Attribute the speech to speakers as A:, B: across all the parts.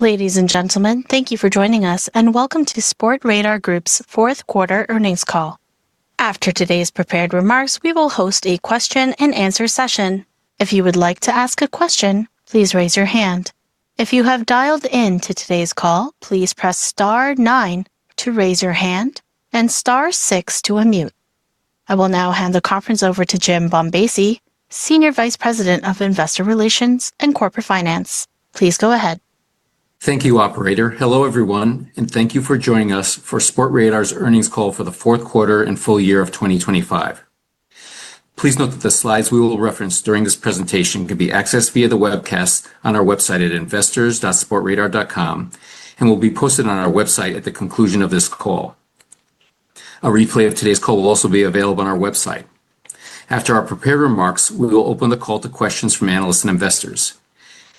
A: Ladies and gentlemen, thank you for joining us, and welcome to Sportradar Group's Q4 earnings call. After today's prepared remarks, we will host a question and answer session. If you would like to ask a question, please raise your hand. If you have dialed in to today's call, please press star nine to raise your hand and star six to unmute. I will now hand the conference over to Jim Bombassei, Senior Vice President of Investor Relations and Corporate Finance. Please go ahead.
B: Thank you, operator. Hello everyone, thank you for joining us for Sportradar's earnings call for the Q4 and full year of 2025. Please note that the slides we will reference during this presentation can be accessed via the webcast on our website at investors.sportradar.com and will be posted on our website at the conclusion of this call. A replay of today's call will also be available on our website. After our prepared remarks, we will open the call to questions from analysts and investors.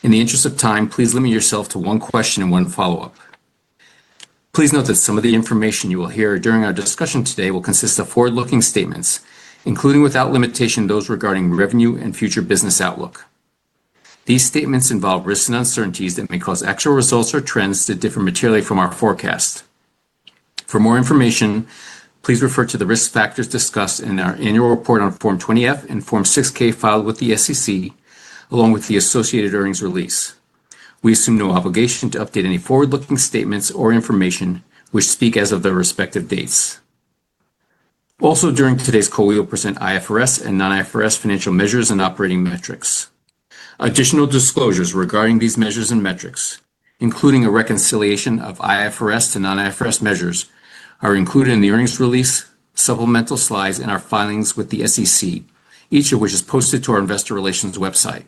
B: In the interest of time, please limit yourself to one question and one follow-up. Please note that some of the information you will hear during our discussion today will consist of forward-looking statements, including, without limitation, those regarding revenue and future business outlook. These statements involve risks and uncertainties that may cause actual results or trends to differ materially from our forecast. For more information, please refer to the risk factors discussed in our annual report on Form 20-F and Form 6-K filed with the SEC along with the associated earnings release. We assume no obligation to update any forward-looking statements or information which speak as of their respective dates. During today's call, we will present IFRS and non-IFRS financial measures and operating metrics. Additional disclosures regarding these measures and metrics, including a reconciliation of IFRS to non-IFRS measures, are included in the earnings release, supplemental slides and our filings with the SEC, each of which is posted to our investor relations website.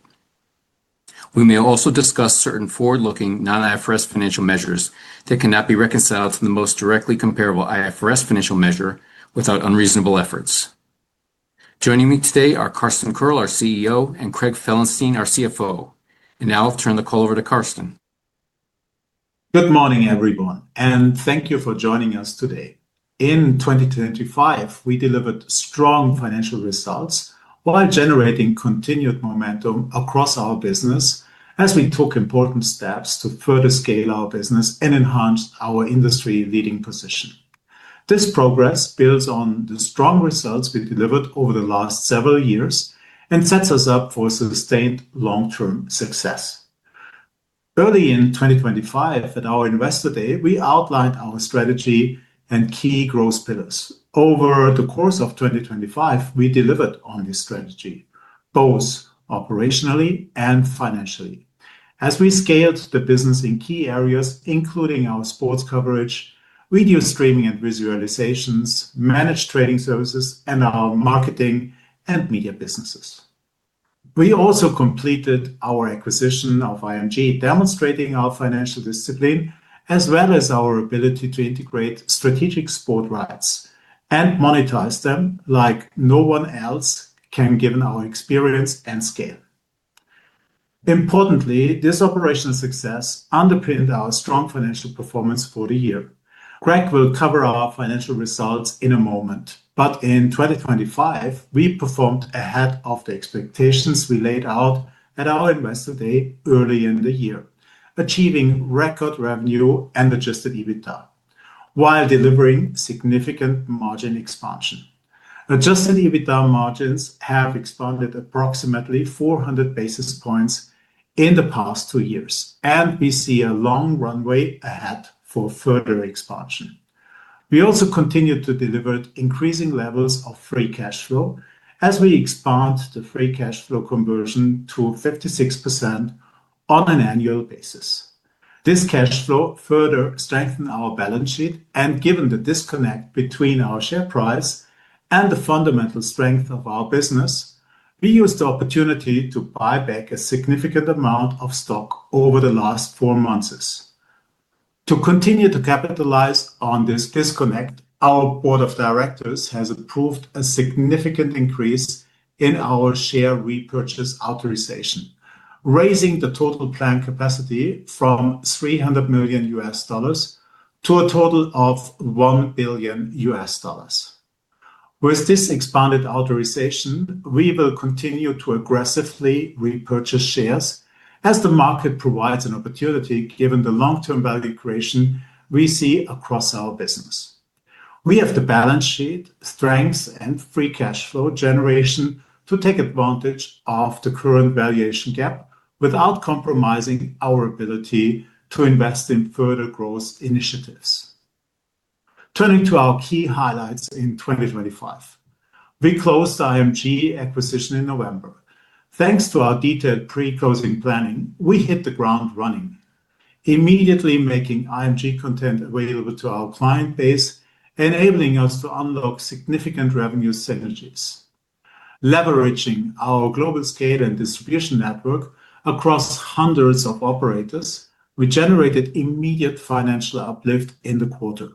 B: We may also discuss certain forward-looking non-IFRS financial measures that cannot be reconciled from the most directly comparable IFRS financial measure without unreasonable efforts. Joining me today are Carsten Koerl, our CEO, and Craig Felenstein, our CFO. Now I'll turn the call over to Carsten.
C: Good morning everyone, thank you for joining us today. In 2025, we delivered strong financial results while generating continued momentum across our business as we took important steps to further scale our business and enhance our industry-leading position. This progress builds on the strong results we've delivered over the last several years and sets us up for sustained long-term success. Early in 2025 at our Investor Day, we outlined our strategy and key growth pillars. Over the course of 2025, we delivered on this strategy, both operationally and financially as we scaled the business in key areas, including our sports coverage, video streaming and visualizations, Managed Trading Services, and our marketing and media businesses. We also completed our acquisition of IMG, demonstrating our financial discipline as well as our ability to integrate strategic sport rights and monetize them like no one else can, given our experience and scale. Importantly, this operational success underpinned our strong financial performance for the year. Craig will cover our financial results in a moment, but in 2025 we performed ahead of the expectations we laid out at our Investor Day early in the year, achieving record revenue and Adjusted EBITDA while delivering significant margin expansion. Adjusted EBITDA margins have expanded approximately 400 basis points in the past two years, and we see a long runway ahead for further expansion. We also continued to deliver increasing levels of free cash flow as we expand the free cash flow conversion to 56% on an annual basis. This cash flow further strengthened our balance sheet, and given the disconnect between our share price and the fundamental strength of our business, we used the opportunity to buy back a significant amount of stock over the last four months. To continue to capitalize on this disconnect, our board of directors has approved a significant increase in our share repurchase authorization, raising the total planned capacity from $300 million to a total of $1 billion. With this expanded authorization, we will continue to aggressively repurchase shares as the market provides an opportunity given the long-term value creation we see across our business. We have the balance sheet strengths and free cash flow generation to take advantage of the current valuation gap without compromising our ability to invest in further growth initiatives. Turning to our key highlights in 2025. We closed the IMG acquisition in November. Thanks to our detailed pre-closing planning, we hit the ground running, immediately making IMG content available to our client base, enabling us to unlock significant revenue synergies. Leveraging our global scale and distribution network across hundreds of operators, we generated immediate financial uplift in the quarter.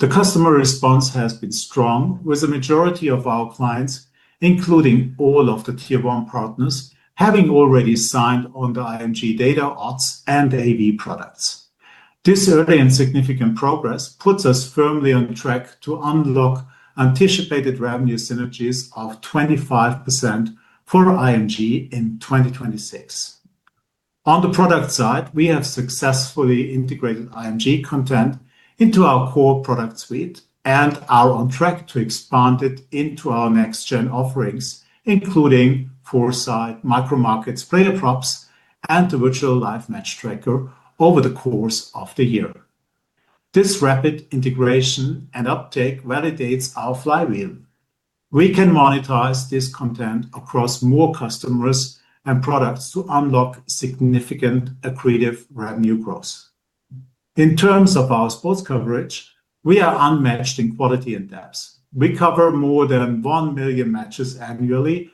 C: The customer response has been strong with the majority of our clients, including all of the tier one partners, having already signed on the IMG data odds and AV products. This early and significant progress puts us firmly on track to unlock anticipated revenue synergies of 25% for IMG in 2026. On the product side, we have successfully integrated IMG content into our core product suite and are on track to expand it into our next-gen offerings, including Foresight, Micro Markets, Player Props, and the Virtual Live Match Tracker over the course of the year. This rapid integration and uptake validates our flywheel. We can monetize this content across more customers and products to unlock significant accretive revenue growth. In terms of our sports coverage, we are unmatched in quality and depth. We cover more than 1 million matches annually,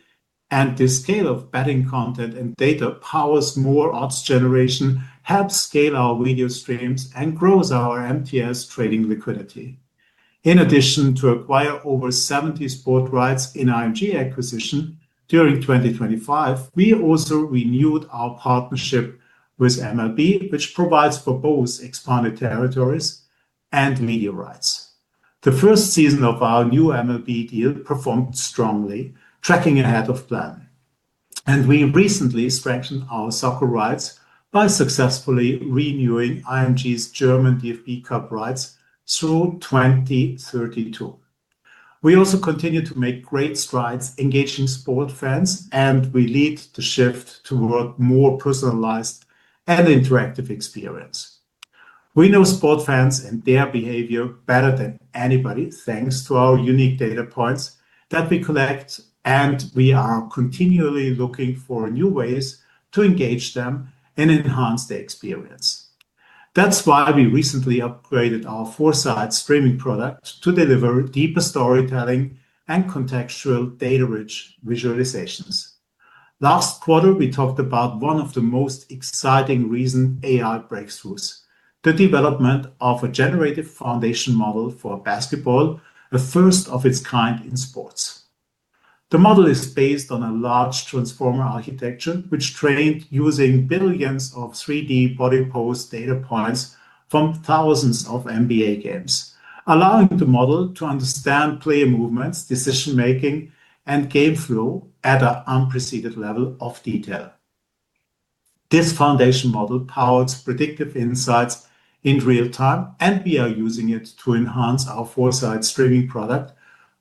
C: and the scale of betting content and data powers more odds generation, helps scale our video streams, and grows our MTS trading liquidity. In addition to acquire over 70 sport rights in IMG acquisition during 2025, we also renewed our partnership with MLB, which provides for both expanded territories and media rights. The first season of our new MLB deal performed strongly, tracking ahead of plan. We recently strengthened our soccer rights by successfully renewing IMG's German DFB Cup rights through 2032. We also continue to make great strides engaging sport fans. We lead the shift toward more personalized and interactive experience. We know sport fans and their behavior better than anybody, thanks to our unique data points that we collect. We are continually looking for new ways to engage them and enhance their experience. That's why we recently upgraded our Foresight streaming product to deliver deeper storytelling and contextual data-rich visualizations. Last quarter, we talked about one of the most exciting recent AI breakthroughs, the development of a generative foundation model for basketball, a first of its kind in sports. The model is based on a large transformer architecture which trained using billions of 3D body pose data points from thousands of NBA games, allowing the model to understand player movements, decision-making, and game flow at an unprecedented level of detail. This foundation model powers predictive insights in real-time, we are using it to enhance our Foresight streaming product,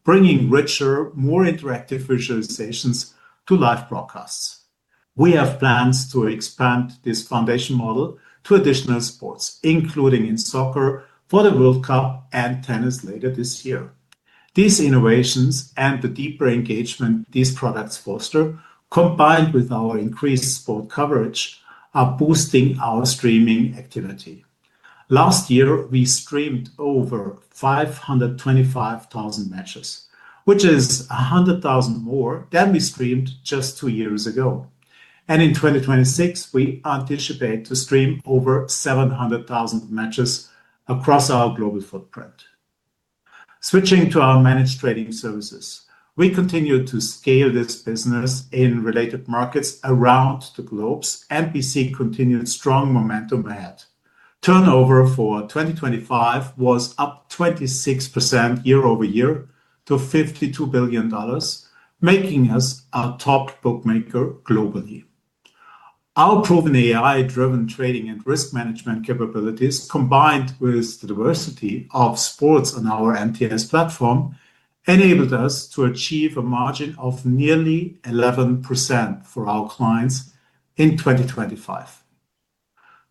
C: bringing richer, more interactive visualizations to live broadcasts. We have plans to expand this foundation model to additional sports, including in soccer for the World Cup and tennis later this year. These innovations and the deeper engagement these products foster, combined with our increased sport coverage, are boosting our streaming activity. Last year, we streamed over 525,000 matches, which is 100,000 more than we streamed just two years ago. In 2026, we anticipate to stream over 700,000 matches across our global footprint. Switching to our managed trading services, we continue to scale this business in related markets around the globe, we see continued strong momentum ahead. Turnover for 2025 was up 26% year-over-year to $52 billion, making us a top bookmaker globally. Our proven AI-driven trading and risk management capabilities, combined with the diversity of sports on our MTS platform, enabled us to achieve a margin of nearly 11% for our clients in 2025.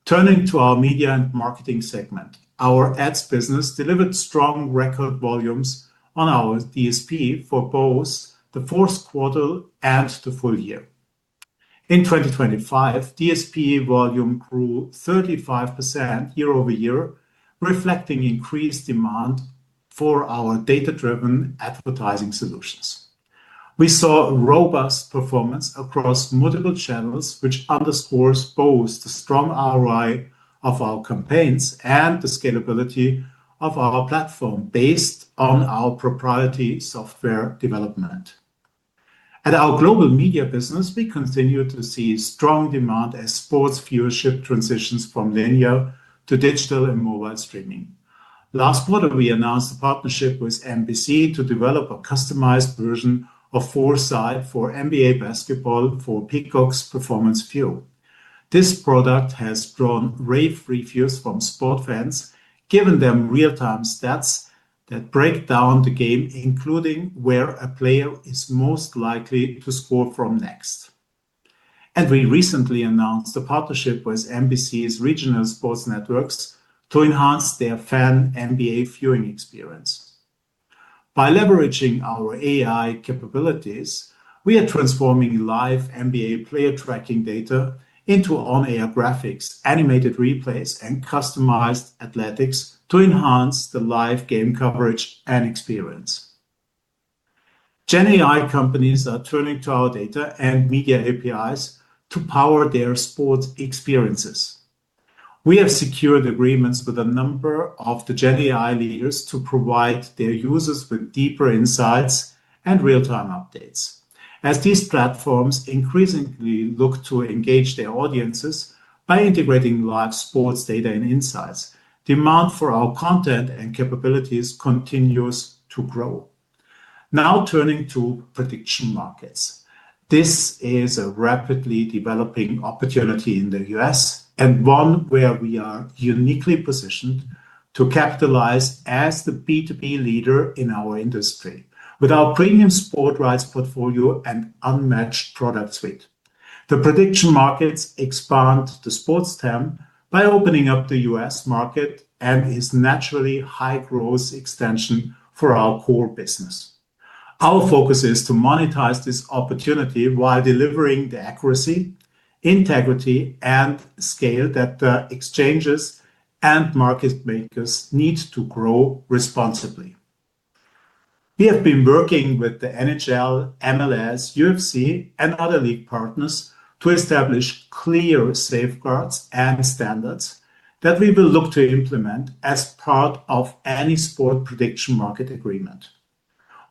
C: Turning to our media and marketing segment, our ads business delivered strong record volumes on our DSP for both the Q4 and the full year. In 2025, DSP volume grew 35% year-over-year, reflecting increased demand for our data-driven advertising solutions. We saw robust performance across multiple channels, which underscores both the strong ROI of our campaigns and the scalability of our platform based on our proprietary software development. At our global media business, we continue to see strong demand as sports viewership transitions from linear to digital and mobile streaming. Last quarter, we announced a partnership with NBC to develop a customized version of Foresight for NBA Basketball for Peacock's Performance Fuel. This product has drawn rave reviews from sports fans, giving them real-time stats that break down the game, including where a player is most likely to score from next. We recently announced a partnership with NBC Sports Regional Networks to enhance their fan NBA viewing experience. By leveraging our AI capabilities, we are transforming live NBA player tracking data into on-air graphics, animated replays, and customized analytics to enhance the live game coverage and experience. GenAI companies are turning to our data and media APIs to power their sports experiences. We have secured agreements with a number of the GenAI leaders to provide their users with deeper insights and real-time updates. As these platforms increasingly look to engage their audiences by integrating live sports data and insights, demand for our content and capabilities continues to grow. Turning to prediction markets. This is a rapidly developing opportunity in the U.S. and one where we are uniquely positioned to capitalize as the B2B leader in our industry with our premium sports rights portfolio and unmatched product suite. The prediction markets expand to Sports Stem by opening up the U.S. market and is naturally high-growth extension for our core business. Our focus is to monetize this opportunity while delivering the accuracy, integrity, and scale that exchanges and market makers need to grow responsibly. We have been working with the NHL, MLS, UFC and other league partners to establish clear safeguards and standards that we will look to implement as part of any sport prediction market agreement.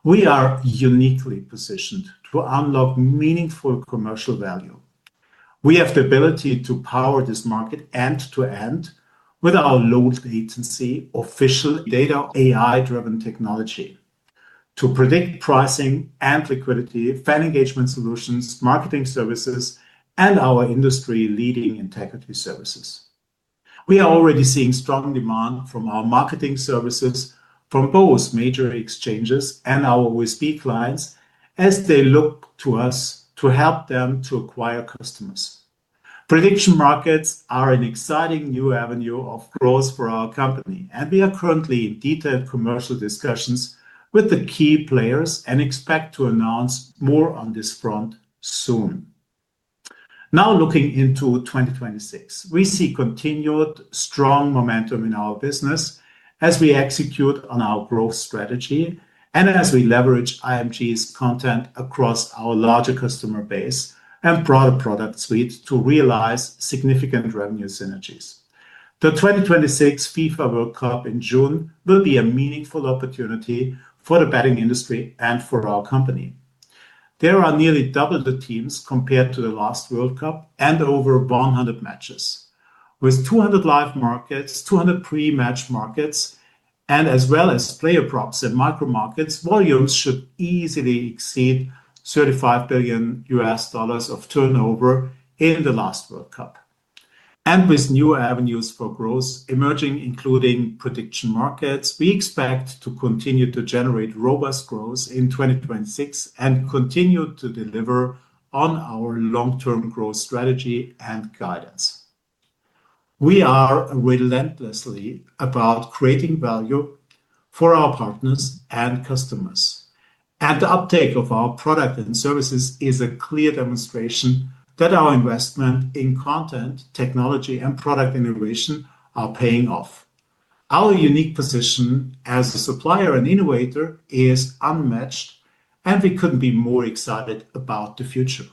C: We are uniquely positioned to unlock meaningful commercial value. We have the ability to power this market end-to-end with our low latency official data AI-driven technology to predict pricing and liquidity, fan engagement solutions, marketing services, and our industry-leading integrity services. We are already seeing strong demand from our marketing services from both major exchanges and our OSB clients as they look to us to help them to acquire customers. Prediction markets are an exciting new avenue of growth for our company, and we are currently in detailed commercial discussions with the key players and expect to announce more on this front soon. Now looking into 2026, we see continued strong momentum in our business as we execute on our growth strategy and as we leverage IMG's content across our larger customer base and broader product suite to realize significant revenue synergies. The 2026 FIFA World Cup in June will be a meaningful opportunity for the betting industry and for our company. There are nearly double the teams compared to the last World Cup and over 100 matches. With 200 live markets, 200 pre-match markets, and as well as Player Props and Micro Markets, volumes should easily exceed $35 billion of turnover in the last World Cup. With new avenues for growth emerging, including prediction markets, we expect to continue to generate robust growth in 2026 and continue to deliver on our long-term growth strategy and guidance. We are relentlessly about creating value for our partners and customers, and the uptake of our product and services is a clear demonstration that our investment in content, technology, and product innovation are paying off. Our unique position as a supplier and innovator is unmatched, and we couldn't be more excited about the future.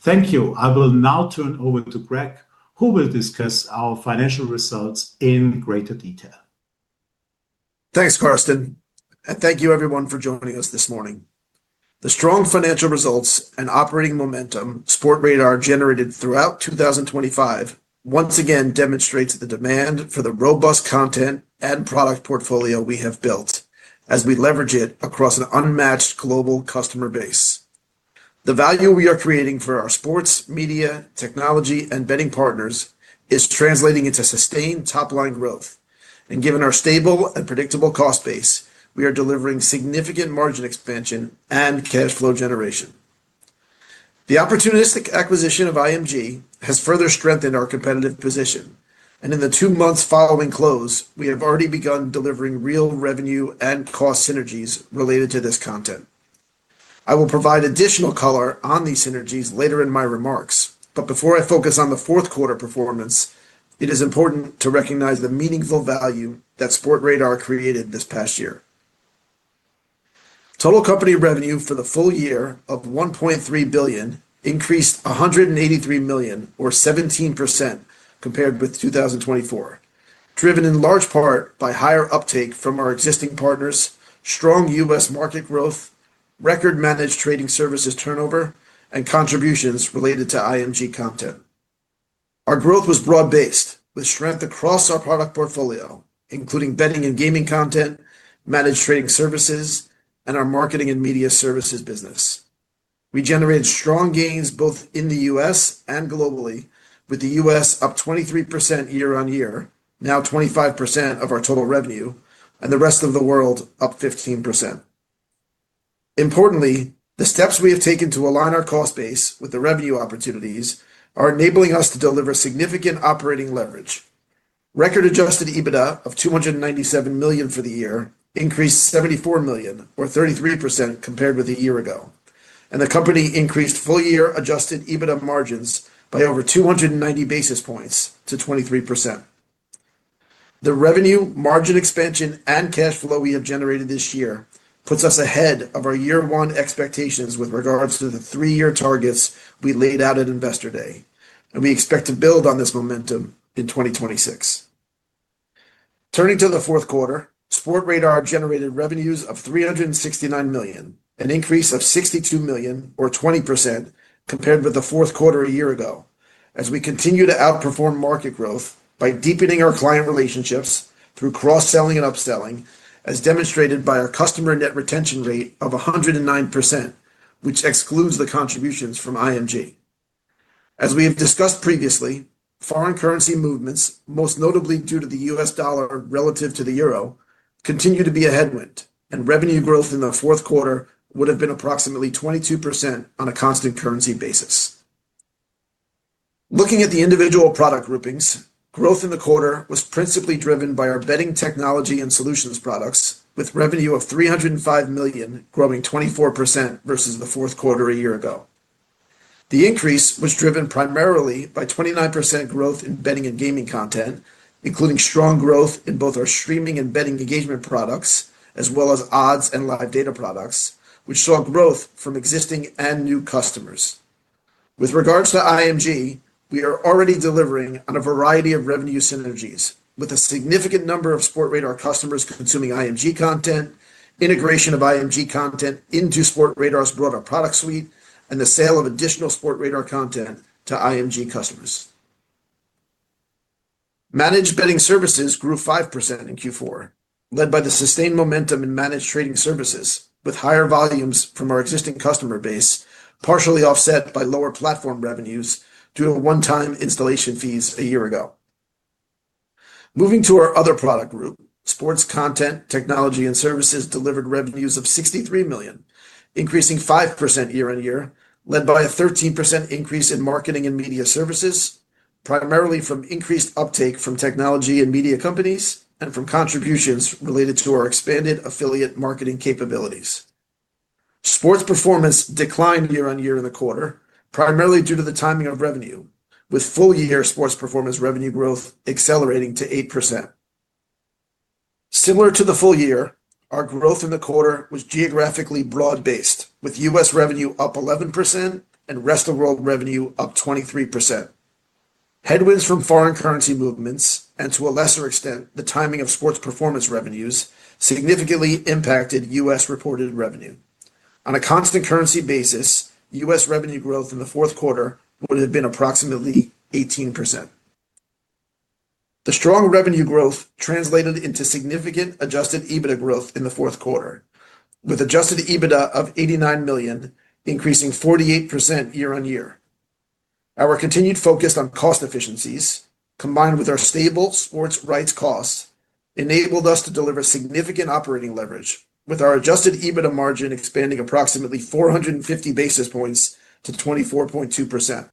C: Thank you. I will now turn over to Craig, who will discuss our financial results in greater detail.
D: Thanks, Carsten. Thank you everyone for joining us this morning. The strong financial results and operating momentum Sportradar generated throughout 2025 once again demonstrates the demand for the robust content and product portfolio we have built as we leverage it across an unmatched global customer base. The value we are creating for our sports, media, technology, and betting partners is translating into sustained top-line growth. Given our stable and predictable cost base, we are delivering significant margin expansion and cash flow generation. The opportunistic acquisition of IMG has further strengthened our competitive position, and in the two months following close, we have already begun delivering real revenue and cost synergies related to this content. I will provide additional color on these synergies later in my remarks, but before I focus on the Q4 performance, it is important to recognize the meaningful value that Sportradar created this past year. Total company revenue for the full year of $1.3 billion increased $183 million or 17% compared with 2024, driven in large part by higher uptake from our existing partners, strong U.S. market growth, record managed trading services turnover, and contributions related to IMG content. Our growth was broad-based with strength across our product portfolio, including betting and gaming content, managed trading services, and our marketing and media services business. We generated strong gains both in the U.S. and globally with the U.S. up 23% year-on-year, now 25% of our total revenue, and the rest of the world up 15%. Importantly, the steps we have taken to align our cost base with the revenue opportunities are enabling us to deliver significant operating leverage. Record Adjusted EBITDA of $297 million for the year increased $74 million or 33% compared with a year ago. The company increased full year Adjusted EBITDA margins by over 290 basis points to 23%. The revenue margin expansion and cash flow we have generated this year puts us ahead of our year-one expectations with regards to the three-year targets we laid out at Investor Day. We expect to build on this momentum in 2026. Turning to the Q4, Sportradar generated revenues of $369 million, an increase of $62 million or 20% compared with the Q4 a year ago. As we continue to outperform market growth by deepening our client relationships through cross-selling and upselling, as demonstrated by our customer net retention rate of 109%, which excludes the contributions from IMG. As we have discussed previously, foreign currency movements, most notably due to the US dollar relative to the euro, continue to be a headwind, and revenue growth in the Q4 would have been approximately 22% on a constant currency basis. Looking at the individual product groupings, growth in the quarter was principally driven by our betting technology and solutions products with revenue of $305 million growing 24% versus the Q4 a year ago. The increase was driven primarily by 29% growth in betting and gaming content, including strong growth in both our streaming and betting engagement products, as well as odds and live data products, which saw growth from existing and new customers. With regards to IMG, we are already delivering on a variety of revenue synergies with a significant number of Sportradar customers consuming IMG content, integration of IMG content into Sportradar's broader product suite, and the sale of additional Sportradar content to IMG customers. Managed betting services grew 5% in Q4, led by the sustained momentum in managed trading services, with higher volumes from our existing customer base, partially offset by lower platform revenues due to one-time installation fees a year ago. Moving to our other product group, sports content, technology and services delivered revenues of $63 million, increasing 5% year-over-year, led by a 13% increase in marketing and media services, primarily from increased uptake from technology and media companies, and from contributions related to our expanded affiliate marketing capabilities. Sports performance declined year-over-year in the quarter, primarily due to the timing of revenue, with full-year sports performance revenue growth accelerating to 8%. Similar to the full-year, our growth in the quarter was geographically broad-based, with U.S. revenue up 11%, and rest of world revenue up 23%. Headwinds from foreign currency movements, and to a lesser extent, the timing of sports performance revenues, significantly impacted U.S. reported revenue. On a constant currency basis, U.S. revenue growth in the Q4 would have been approximately 18%. The strong revenue growth translated into significant Adjusted EBITDA growth in the Q4, with Adjusted EBITDA of $89 million, increasing 48% year-on-year. Our continued focus on cost efficiencies, combined with our stable sports rights costs, enabled us to deliver significant operating leverage with our Adjusted EBITDA margin expanding approximately 450 basis points to 24.2%.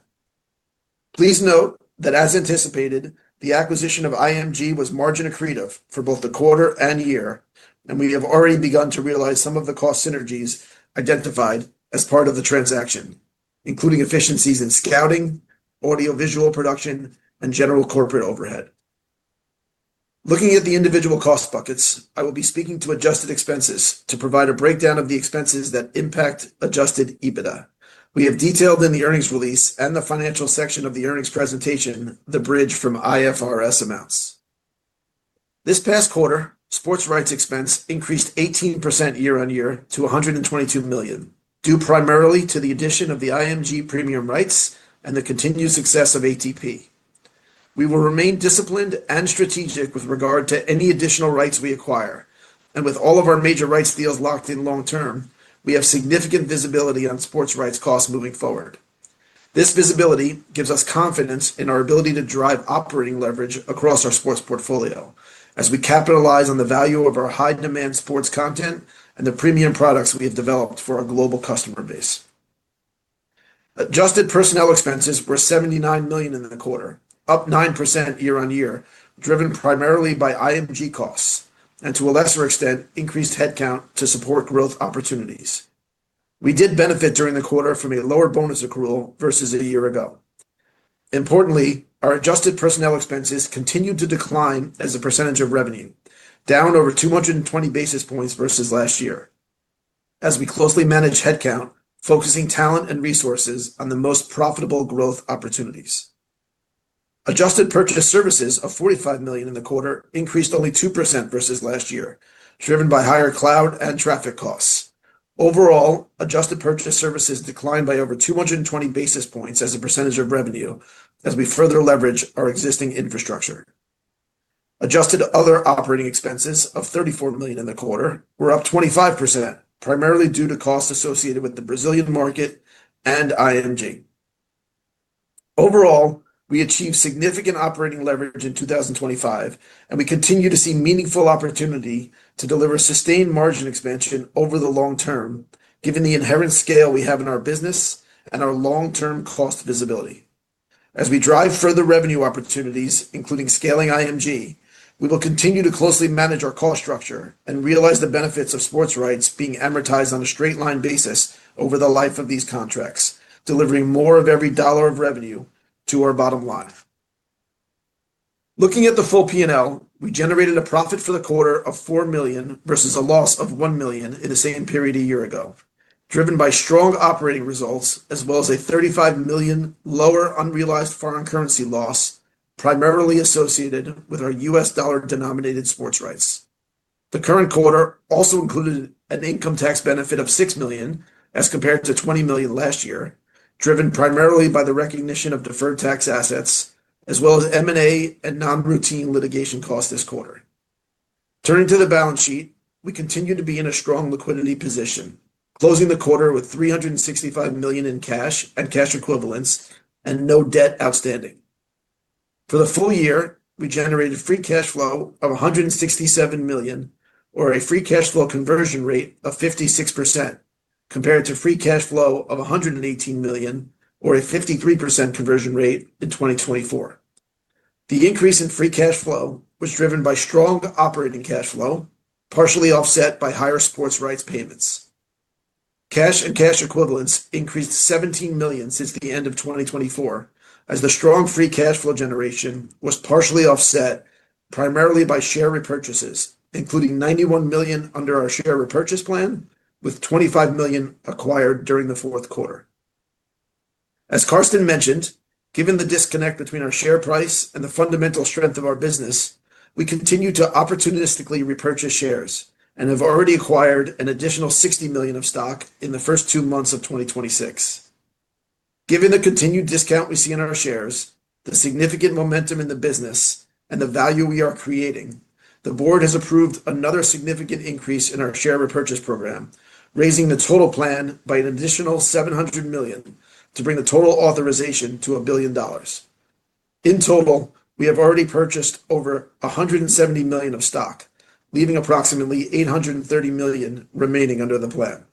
D: Please note that as anticipated, the acquisition of IMG was margin accretive for both the quarter and year, and we have already begun to realize some of the cost synergies identified as part of the transaction, including efficiencies in scouting, audio-visual production, and general corporate overhead. Looking at the individual cost buckets, I will be speaking to adjusted expenses to provide a breakdown of the expenses that impact Adjusted EBITDA. We have detailed in the earnings release and the financial section of the earnings presentation, the bridge from IFRS amounts. This past quarter, sports rights expense increased 18% year-over-year to $122 million, due primarily to the addition of the IMG premium rights and the continued success of ATP. We will remain disciplined and strategic with regard to any additional rights we acquire, and with all of our major rights deals locked in long term, we have significant visibility on sports rights costs moving forward. This visibility gives us confidence in our ability to drive operating leverage across our sports portfolio as we capitalize on the value of our high demand sports content and the premium products we have developed for our global customer base. Adjusted personnel expenses were $79 million in the quarter, up 9% year-over-year, driven primarily by IMG costs and to a lesser extent, increased headcount to support growth opportunities. We did benefit during the quarter from a lower bonus accrual versus a year ago. Importantly, our adjusted personnel expenses continued to decline as a percentage of revenue, down over 220 basis points versus last year as we closely manage headcount, focusing talent and resources on the most profitable growth opportunities. Adjusted purchase services of $45 million in the quarter increased only 2% versus last year, driven by higher cloud and traffic costs. Overall, adjusted purchase services declined by over 220 basis points as a percentage of revenue as we further leverage our existing infrastructure. Adjusted other operating expenses of $34 million in the quarter were up 25%, primarily due to costs associated with the Brazilian market and IMG. Overall, we achieved significant operating leverage in 2025, and we continue to see meaningful opportunity to deliver sustained margin expansion over the long term, given the inherent scale we have in our business and our long-term cost visibility. As we drive further revenue opportunities, including scaling IMG, we will continue to closely manage our cost structure and realize the benefits of sports rights being amortized on a straight-line basis over the life of these contracts, delivering more of every dollar of revenue to our bottom line. Looking at the full P&L, we generated a profit for the quarter of $4 million versus a loss of $1 million in the same period a year ago. Driven by strong operating results as well as a $35 million lower unrealized foreign currency loss primarily associated with our US dollar-denominated sports rights. The current quarter also included an income tax benefit of $6 million as compared to $20 million last year, driven primarily by the recognition of deferred tax assets as well as M&A and non-routine litigation costs this quarter. Turning to the balance sheet, we continue to be in a strong liquidity position, closing the quarter with $365 million in cash and cash equivalents and no debt outstanding. For the full year, we generated free cash flow of $167 million or a free cash flow conversion rate of 56% compared to free cash flow of $118 million or a 53% conversion rate in 2024. The increase in free cash flow was driven by strong operating cash flow, partially offset by higher sports rights payments. Cash and cash equivalents increased $17 million since the end of 2024 as the strong free cash flow generation was partially offset primarily by share repurchases, including $91 million under our share repurchase plan, with $25 million acquired during the Q4. As Carsten mentioned, given the disconnect between our share price and the fundamental strength of our business, we continue to opportunistically repurchase shares and have already acquired an additional $60 million of stock in the first two months of 2026. Given the continued discount we see in our shares, the significant momentum in the business, and the value we are creating, the board has approved another significant increase in our share repurchase program, raising the total plan by an additional $700 million to bring the total authorization to $1 billion. In total, we have already purchased over $170 million of stock, leaving approximately $830 million remaining under the plan.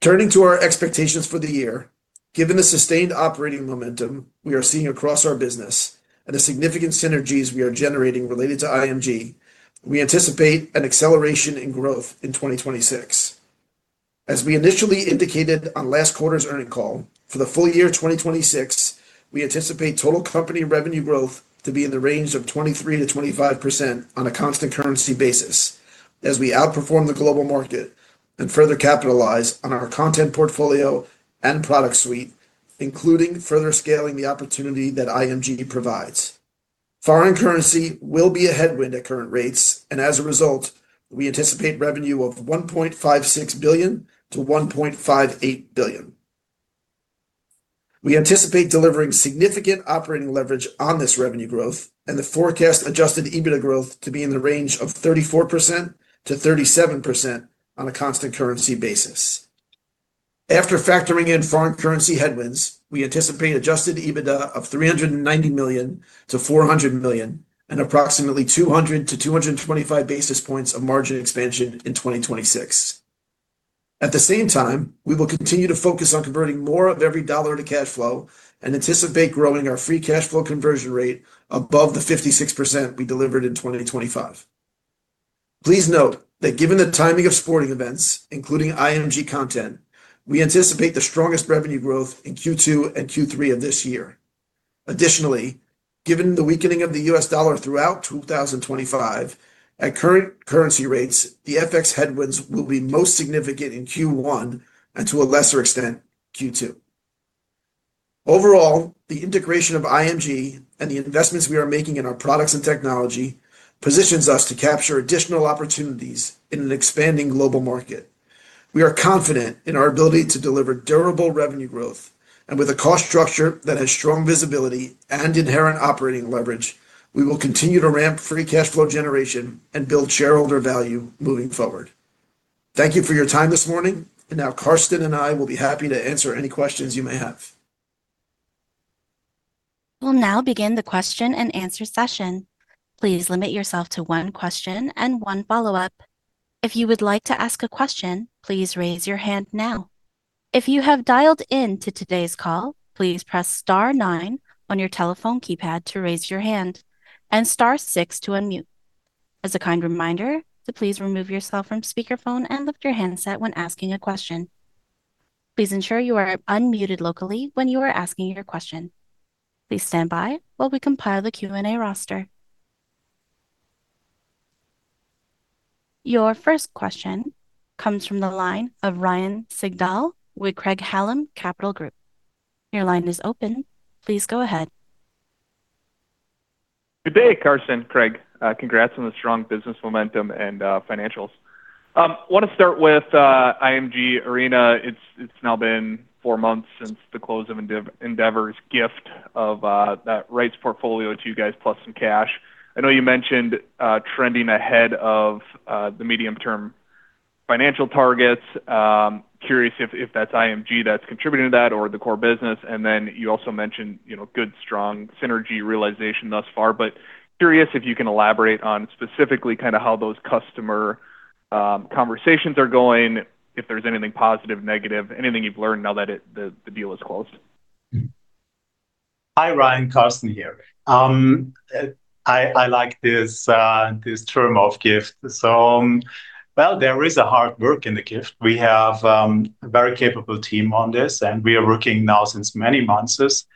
D: Turning to our expectations for the year, given the sustained operating momentum we are seeing across our business and the significant synergies we are generating related to IMG, we anticipate an acceleration in growth in 2026. As we initially indicated on last quarter's earning call, for the full year 2026, we anticipate total company revenue growth to be in the range of 23%-25% on a constant currency basis as we outperform the global market and further capitalize on our content portfolio and product suite, including further scaling the opportunity that IMG provides. Foreign currency will be a headwind at current rates. As a result, we anticipate revenue of $1.56 billion-$1.58 billion. We anticipate delivering significant operating leverage on this revenue growth and the forecast Adjusted EBITDA growth to be in the range of 34%-37% on a constant currency basis. After factoring in foreign currency headwinds, we anticipate Adjusted EBITDA of $390 million-$400 million and approximately 200-225 basis points of margin expansion in 2026. At the same time, we will continue to focus on converting more of every dollar to cash flow and anticipate growing our free cash flow conversion rate above the 56% we delivered in 2025. Please note that given the timing of sporting events, including IMG content, we anticipate the strongest revenue growth in Q2 and Q3 of this year. Additionally, given the weakening of the US dollar throughout 2025, at current currency rates, the FX headwinds will be most significant in Q1 and, to a lesser extent, Q2. Overall, the integration of IMG and the investments we are making in our products and technology positions us to capture additional opportunities in an expanding global market. We are confident in our ability to deliver durable revenue growth. With a cost structure that has strong visibility and inherent operating leverage, we will continue to ramp free cash flow generation and build shareholder value moving forward. Thank you for your time this morning. Now Carsten and I will be happy to answer any questions you may have.
A: We'll now begin the question-and-answer session. Please limit yourself to one question and one follow-up. If you would like to ask a question, please raise your hand now. If you have dialed in to today's call, please press star nine on your telephone keypad to raise your hand and star six to unmute. As a kind reminder to please remove yourself from speakerphone and lift your handset when asking a question. Please ensure you are unmuted locally when you are asking your question. Please stand by while we compile the Q&A roster. Your first question comes from the line of Ryan Sigdahl with Craig-Hallum Capital Group. Your line is open. Please go ahead.
E: Good day, Carsten, Craig. Congrats on the strong business momentum and financials. want to start with IMG ARENA. It's now been four months since the close of Endeavor's gift of that rights portfolio to you guys, plus some cash. I know you mentioned trending ahead of the medium-term financial targets. curious if that's IMG that's contributing to that or the core business. Then you also mentioned, you know, good, strong synergy realization thus far, but curious if you can elaborate on specifically kind of how those customer conversations are going, if there's anything positive, negative, anything you've learned now that the deal is closed.
C: Hi, Ryan. Carsten here. I like this term of gift. Well, there is a hard work in the gift. We have a very capable team on this, and we are working now since many months. This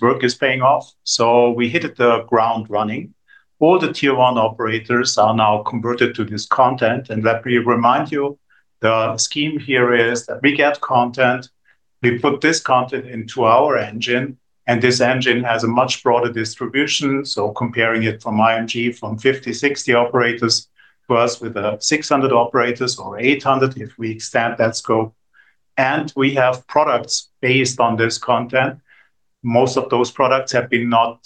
C: work is paying off, so we hit the ground running. All the tier one operators are now converted to this content. Let me remind you, the scheme here is that we get content, we put this content into our engine, and this engine has a much broader distribution. Comparing it from IMG from 50 operators, 60 operators to us with 600 operators or 800 operators, if we extend that scope. We have products based on this content. Most of those products have been not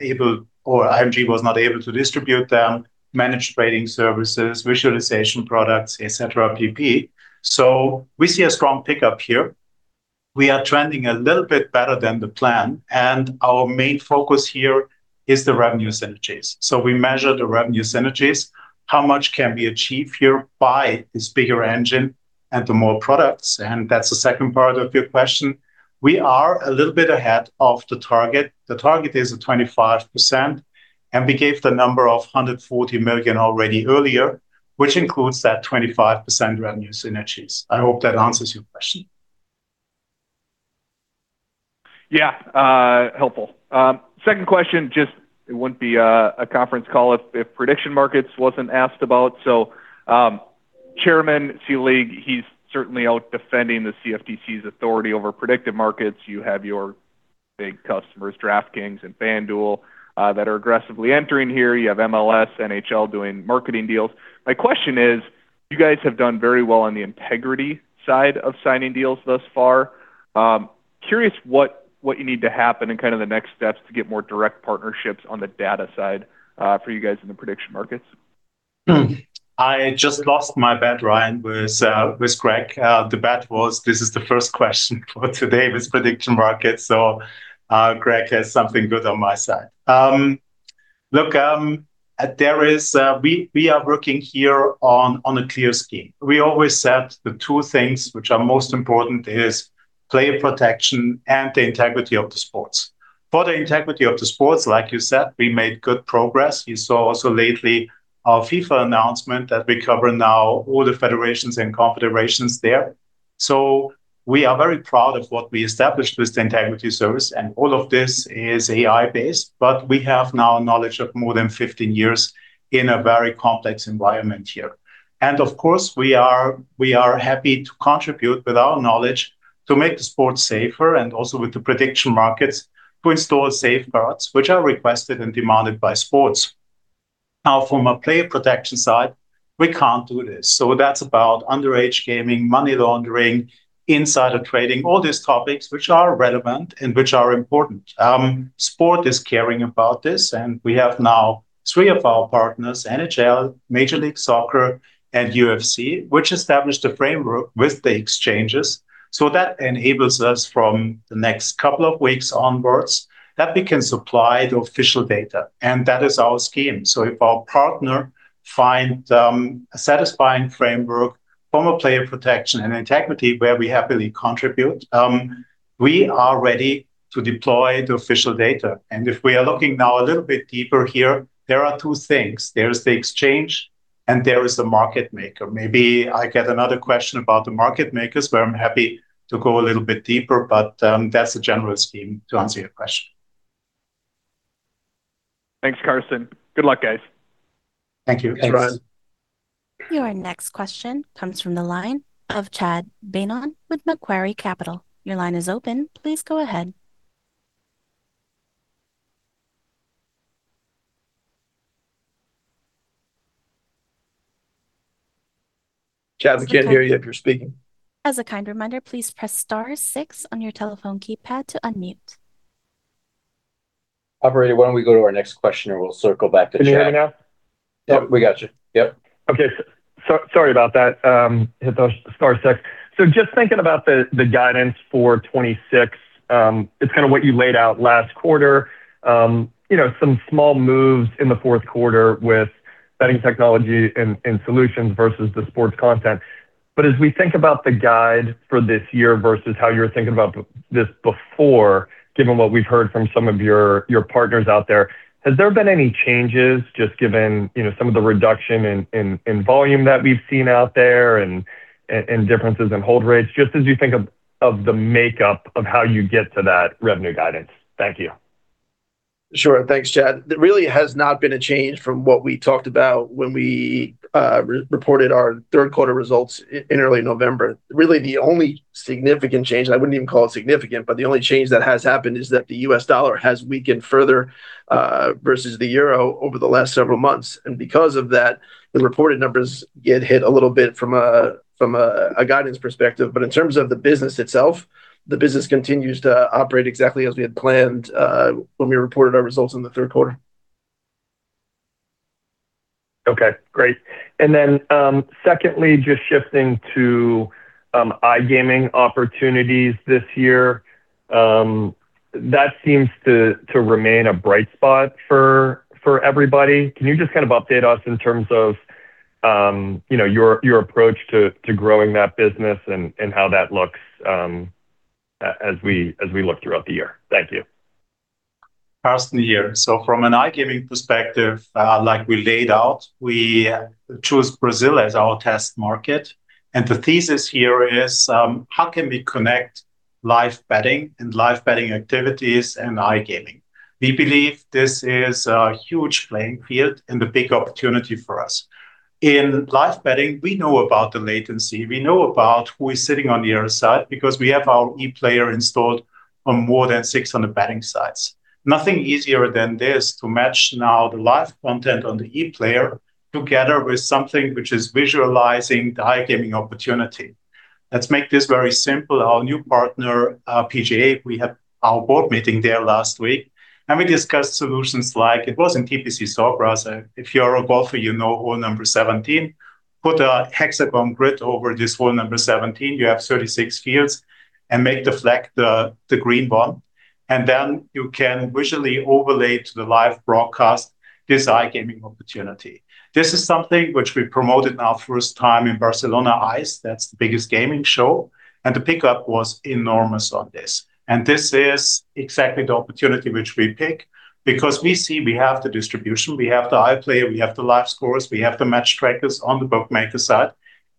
C: able or IMG was not able to distribute them, managed trading services, visualization products, et cetera, PP. We see a strong pickup here. We are trending a little bit better than the plan, and our main focus here is the revenue synergies. We measure the revenue synergies. How much can we achieve here by this bigger engine and the more products? That's the second part of your question. We are a little bit ahead of the target. The target is a 25%, and we gave the number of $140 million already earlier, which includes that 25% revenue synergies. I hope that answers your question.
E: Helpful. Second question, just it wouldn't be a conference call if prediction markets wasn't asked about. Chairman Selig, he's certainly out defending the CFTC's authority over predictive markets. You have your big customers, DraftKings and FanDuel, that are aggressively entering here. You have MLS, NHL doing marketing deals. My question is, you guys have done very well on the integrity side of signing deals thus far. Curious what you need to happen and kind of the next steps to get more direct partnerships on the data side, for you guys in the prediction markets.
C: I just lost my bet, Ryan, with Craig. The bet was this is the first question for today with prediction markets. Craig has something good on my side. Look, there is we are working here on a clear scheme. We always said the two things which are most important is player protection and the integrity of the sports. For the integrity of the sports, like you said, we made good progress. You saw also lately our FIFA announcement that we cover now all the federations and confederations there. We are very proud of what we established with the integrity service, and all of this is AI-based, but we have now knowledge of more than 15 years in a very complex environment here. Of course, we are happy to contribute with our knowledge to make the sport safer and also with the prediction markets to install safeguards which are requested and demanded by sports. From a player protection side, we can't do this. That's about underage gaming, money laundering, insider trading, all these topics which are relevant and which are important. Sport is caring about this, and we have now three of our partners, NHL, Major League Soccer, and UFC, which established a framework with the exchanges. That enables us from the next couple of weeks onwards, that we can supply the official data, and that is our scheme. If our partner find a satisfying framework from a player protection and integrity where we happily contribute, we are ready to deploy the official data. If we are looking now a little bit deeper here, there are two things. There is the exchange, and there is the market maker. Maybe I get another question about the market makers, where I'm happy to go a little bit deeper, but that's the general scheme to answer your question.
E: Thanks, Carsten. Good luck, guys.
C: Thank you, Ryan.
D: Thanks.
A: Your next question comes from the line of Chad Beynon with Macquarie Capital. Your line is open. Please go ahead.
D: Chad, we can't hear you if you're speaking.
A: As a kind reminder, please press star six on your telephone keypad to unmute.
D: Operator, why don't we go to our next question, and we'll circle back to Chad.
F: Can you hear me now?
D: Yep, we got you. Yep.
F: Sorry about that. Hit those star six. Just thinking about the guidance for 2026, it's kind of what you laid out last quarter. You know, some small moves in the Q4 with betting technology and solutions versus the sports content. As we think about the guide for this year versus how you're thinking about this before, given what we've heard from some of your partners out there, has there been any changes just given, you know, some of the reduction in volume that we've seen out there and differences in hold rates, just as you think of the makeup of how you get to that revenue guidance? Thank you.
D: Sure. Thanks, Chad. There really has not been a change from what we talked about when we re-reported our Q3 results in early November. Really, the only significant change, I wouldn't even call it significant, but the only change that has happened is that the US dollar has weakened further versus the euro over the last several months. Because of that, the reported numbers get hit a little bit from a, from a guidance perspective. In terms of the business itself, the business continues to operate exactly as we had planned when we reported our results in the Q3.
F: Okay, great. Secondly, just shifting to iGaming opportunities this year, that seems to remain a bright spot for everybody. Can you just kind of update us in terms of you know, your approach to growing that business and how that looks, as we look throughout the year. Thank you.
C: Carsten here. From an iGaming perspective, like we laid out, we chose Brazil as our test market. The thesis here is, how can we connect live betting and live betting activities and iGaming? We believe this is a huge playing field and a big opportunity for us. In live betting, we know about the latency, we know about who is sitting on the other side because we have our iPlayer installed on more than 600 betting sites. Nothing easier than this to match now the live content on the iPlayer together with something which is visualizing the iGaming opportunity. Let's make this very simple. Our new partner, PGA, we had our board meeting there last week, we discussed solutions like it was in TPC Sawgrass. If you are a golfer, you know hole number 17. Put a hexagon grid over this hole number 17, you have 36 fields, make the flag the green button, then you can visually overlay to the live broadcast this iGaming opportunity. This is something which we promoted in our first time in Barcelona ICE. That's the biggest gaming show, the pickup was enormous on this. This is exactly the opportunity which we pick because we see we have the distribution, we have the iPlayer, we have the live scores, we have the match trackers on the bookmaker side,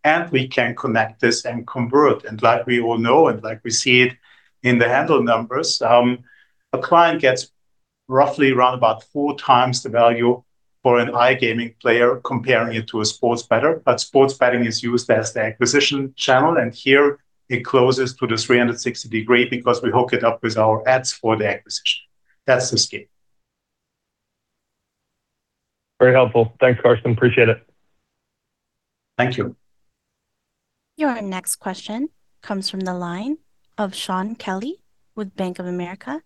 C: and we can connect this and convert. Like we all know and like we see it in the handle numbers, a client gets roughly around about 4x the value for an iGaming player comparing it to a sports bettor. Sports betting is used as the acquisition channel, and here it closes to the 360 degree because we hook it up with our ads for the acquisition. That's the scale.
F: Very helpful. Thanks, Carsten. Appreciate it.
C: Thank you.
A: Your next question comes from the line of Shaun Kelley with Bank of America.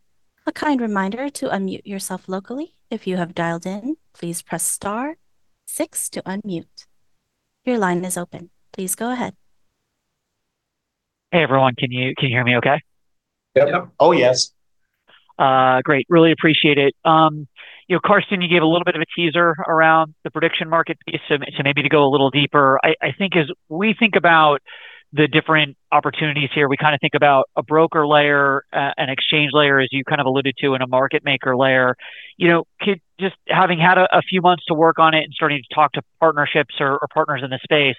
A: A kind reminder to unmute yourself locally. If you have dialed in, please press star six to unmute. Your line is open. Please go ahead.
G: Hey, everyone. Can you hear me okay?
C: Yep.
H: Oh, yes.
G: great. Really appreciate it. you know, Carsten, you gave a little bit of a teaser around the prediction market piece. maybe to go a little deeper, I think as we think about the different opportunities here, we kinda think about a broker layer, an exchange layer, as you kind of alluded to, and a market maker layer. You know, just having had a few months to work on it and starting to talk to partnerships or partners in this space,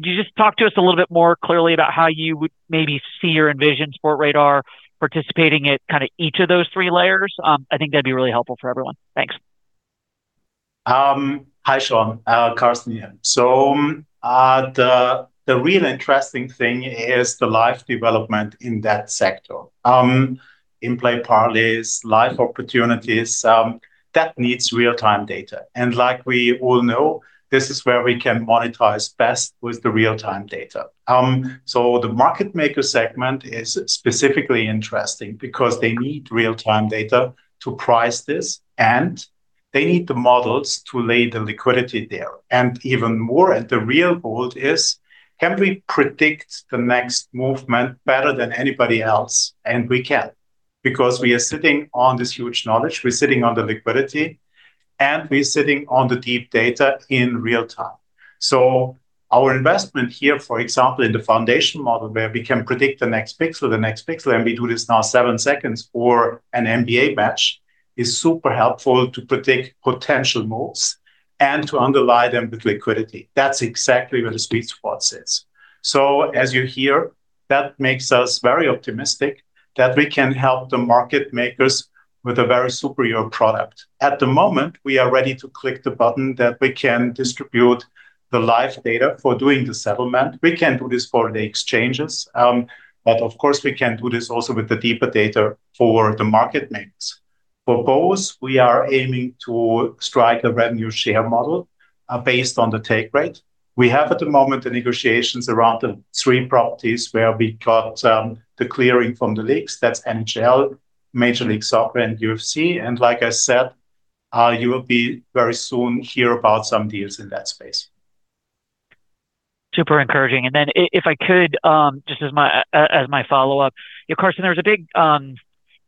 G: could you just talk to us a little bit more clearly about how you would maybe see or envision Sportradar participating at kinda each of those three layers? I think that'd be really helpful for everyone. Thanks.
C: Hi, Shaun. Carsten here. The real interesting thing is the live development in that sector. In-play parlays, live opportunities, that needs real-time data. Like we all know, this is where we can monetize best with the real-time data. The market maker segment is specifically interesting because they need real-time data to price this, and they need the models to lay the liquidity there. Even more, and the real goal is, can we predict the next movement better than anybody else? We can because we are sitting on this huge knowledge, we're sitting on the liquidity, and we're sitting on the deep data in real time. Our investment here, for example, in the foundation model, where we can predict the next pixel, and we do this now seven seconds for an NBA match, is super helpful to predict potential moves and to underlie them with liquidity. That's exactly where the sweet spot sits. As you hear, that makes us very optimistic that we can help the market makers with a very superior product. At the moment, we are ready to click the button that we can distribute the live data for doing the settlement. We can do this for the exchanges. Of course, we can do this also with the deeper data for the market makers. For both, we are aiming to strike a revenue share model, based on the take rate. We have at the moment the negotiations around the three properties where we got the clearing from the leagues. That's NHL, Major League Soccer, and UFC. Like I said, you will be very soon hear about some deals in that space.
G: Super encouraging. If I could, as my follow-up, you know, Carsten, there was a big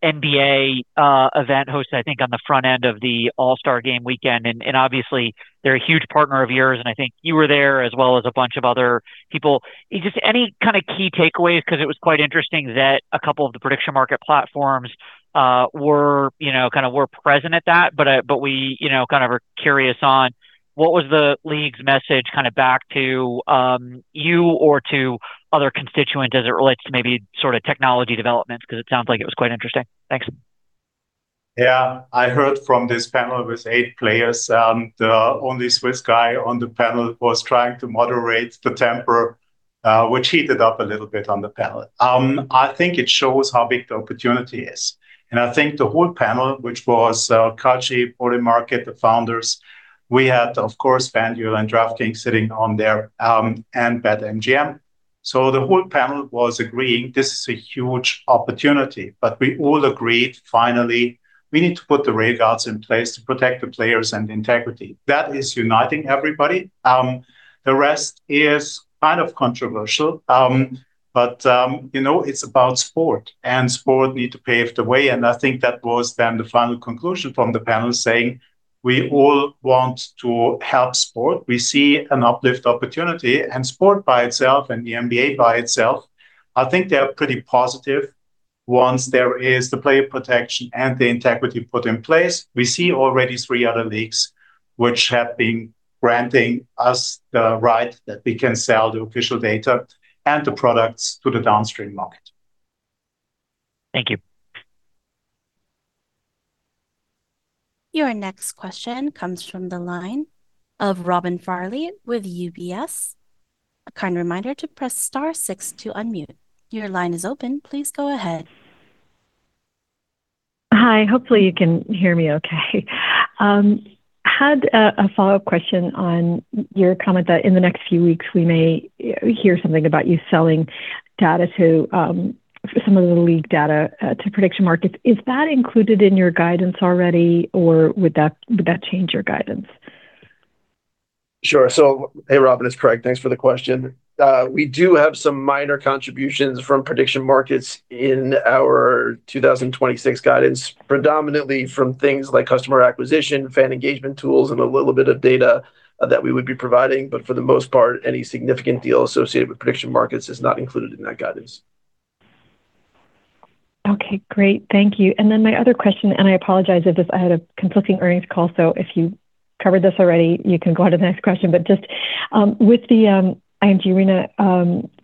G: NBA event hosted, I think, on the front end of the All-Star Game weekend, and obviously they're a huge partner of yours, and I think you were there as well as a bunch of other people. Just any kind of key takeaways, 'cause it was quite interesting that a couple of the prediction market platforms were, you know, kind of were present at that, and we, you know, kind of are curious on what was the league's message kind of back to you or to other constituents as it relates to maybe sort of technology developments, 'cause it sounds like it was quite interesting? Thanks.
C: Yeah. I heard from this panel with eight players, and only Swiss guy on the panel was trying to moderate the temper, which heated up a little bit on the panel. I think it shows how big the opportunity is. I think the whole panel, which was Kalshi, Polymarket, the founders, we had, of course, FanDuel and DraftKings sitting on there, and BetMGM. The whole panel was agreeing this is a huge opportunity, we all agreed finally we need to put the safeguards in place to protect the players and the integrity. That is uniting everybody. The rest is kind of controversial, you know, it's about sport need to pave the way, I think that was then the final conclusion from the panel saying: We all want to help sport. We see an uplift opportunity, and sport by itself and the NBA by itself, I think they are pretty positive once there is the player protection and the integrity put in place. We see already three other leagues which have been granting us the right that we can sell the official data and the products to the downstream market.
G: Thank you.
A: Your next question comes from the line of Robin Farley with UBS. A kind reminder to press star six to unmute. Your line is open. Please go ahead.
I: Hi. Hopefully you can hear me okay. Had a follow-up question on your comment that in the next few weeks we may hear something about you selling data to some of the league data to prediction markets. Is that included in your guidance already, or would that change your guidance?
D: Sure. Hey, Robin, it's Craig. Thanks for the question. We do have some minor contributions from prediction markets in our 2026 guidance, predominantly from things like customer acquisition, fan engagement tools, and a little bit of data that we would be providing. For the most part, any significant deal associated with prediction markets is not included in that guidance.
I: Okay, great. Thank you. My other question, and I apologize if this I had a conflicting earnings call, so if you covered this already, you can go on to the next question. Just with the IMG Arena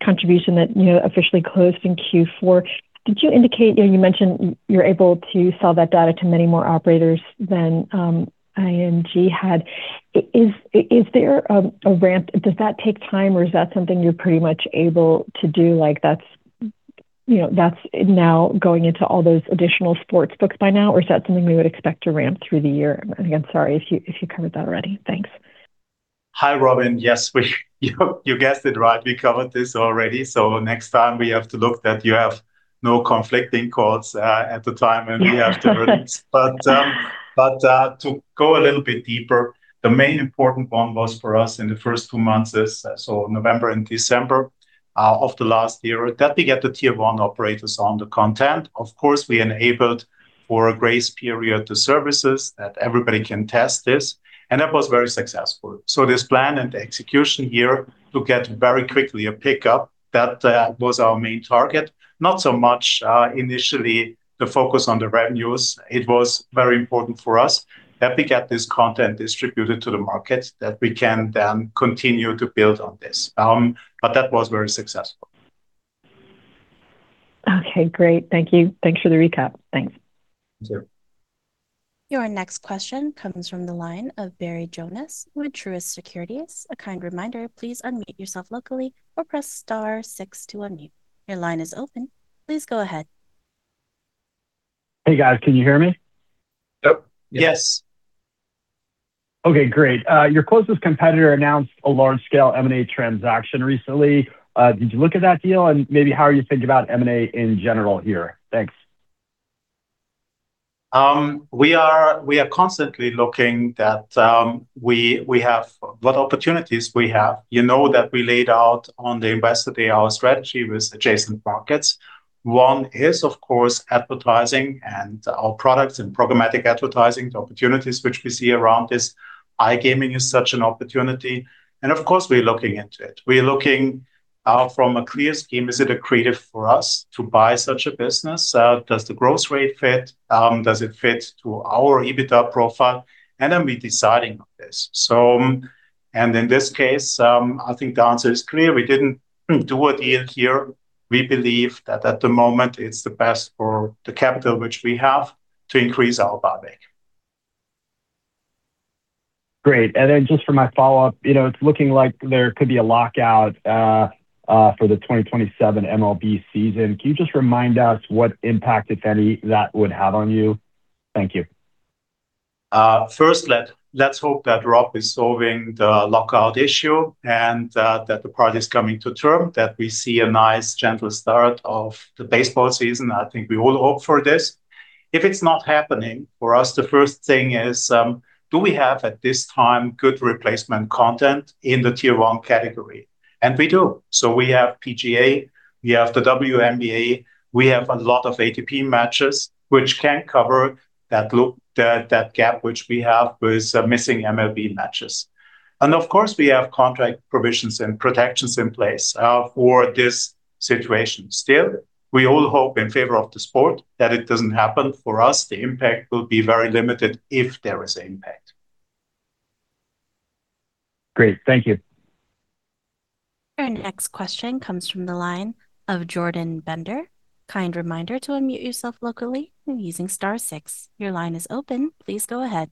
I: contribution that, you know, officially closed in Q4, did you indicate, you know, you mentioned you're able to sell that data to many more operators than IMG had. Is there a ramp? Does that take time, or is that something you're pretty much able to do? Like, that's, you know, that's now going into all those additional sports books by now, or is that something we would expect to ramp through the year? Again, sorry if you, if you covered that already. Thanks.
C: Hi, Robin. Yes, you guessed it right, we covered this already. Next time we have to look that you have no conflicting calls at the time and we have to release. To go a little bit deeper, the main important one was for us in the first two months is, November and December of the last year that we get the tier one operators on the content. Of course, we enabled for a grace period to services that everybody can test this, and that was very successful. This plan and the execution here to get very quickly a pickup, that was our main target. Not so much initially the focus on the revenues. It was very important for us that we get this content distributed to the market, that we can then continue to build on this. That was very successful.
I: Okay, great. Thank you. Thanks for the recap. Thanks.
C: Sure.
A: Your next question comes from the line of Barry Jonas with Truist Securities. A kind reminder, please unmute yourself locally or press star six to unmute. Your line is open. Please go ahead.
J: Hey, guys. Can you hear me?
D: Yep.
C: Yes.
J: Okay, great. Your closest competitor announced a large-scale M&A transaction recently. Did you look at that deal? Maybe how are you thinking about M&A in general here? Thanks.
C: We are constantly looking that we have what opportunities we have. You know that we laid out on the Investor Day our strategy with adjacent markets. One is, of course, advertising and our products and programmatic advertising. The opportunities which we see around this iGaming is such an opportunity and of course, we're looking into it. We're looking from a clear scheme, is it accretive for us to buy such a business? Does the growth rate fit? Does it fit to our EBITDA profile? We're deciding on this. In this case, I think the answer is clear. We didn't do a deal here. We believe that at the moment it's the best for the capital which we have to increase our
J: Great. Just for my follow-up, you know, it's looking like there could be a lockout for the 2027 MLB season. Can you just remind us what impact, if any, that would have on you? Thank you.
C: First, let's hope that Rob is solving the lockout issue and that the party is coming to term, that we see a nice gentle start of the baseball season. I think we all hope for this. If it's not happening, for us the first thing is, do we have at this time good replacement content in the tier 1 category? We do. We have PGA, we have the WNBA, we have a lot of ATP matches which can cover that gap which we have with missing MLB matches. Of course, we have contract provisions and protections in place for this situation. We all hope in favor of the sport that it doesn't happen. For us, the impact will be very limited if there is impact.
J: Great. Thank you.
A: Our next question comes from the line of Jordan Bender. Kind reminder to unmute yourself locally using star six. Your line is open. Please go ahead.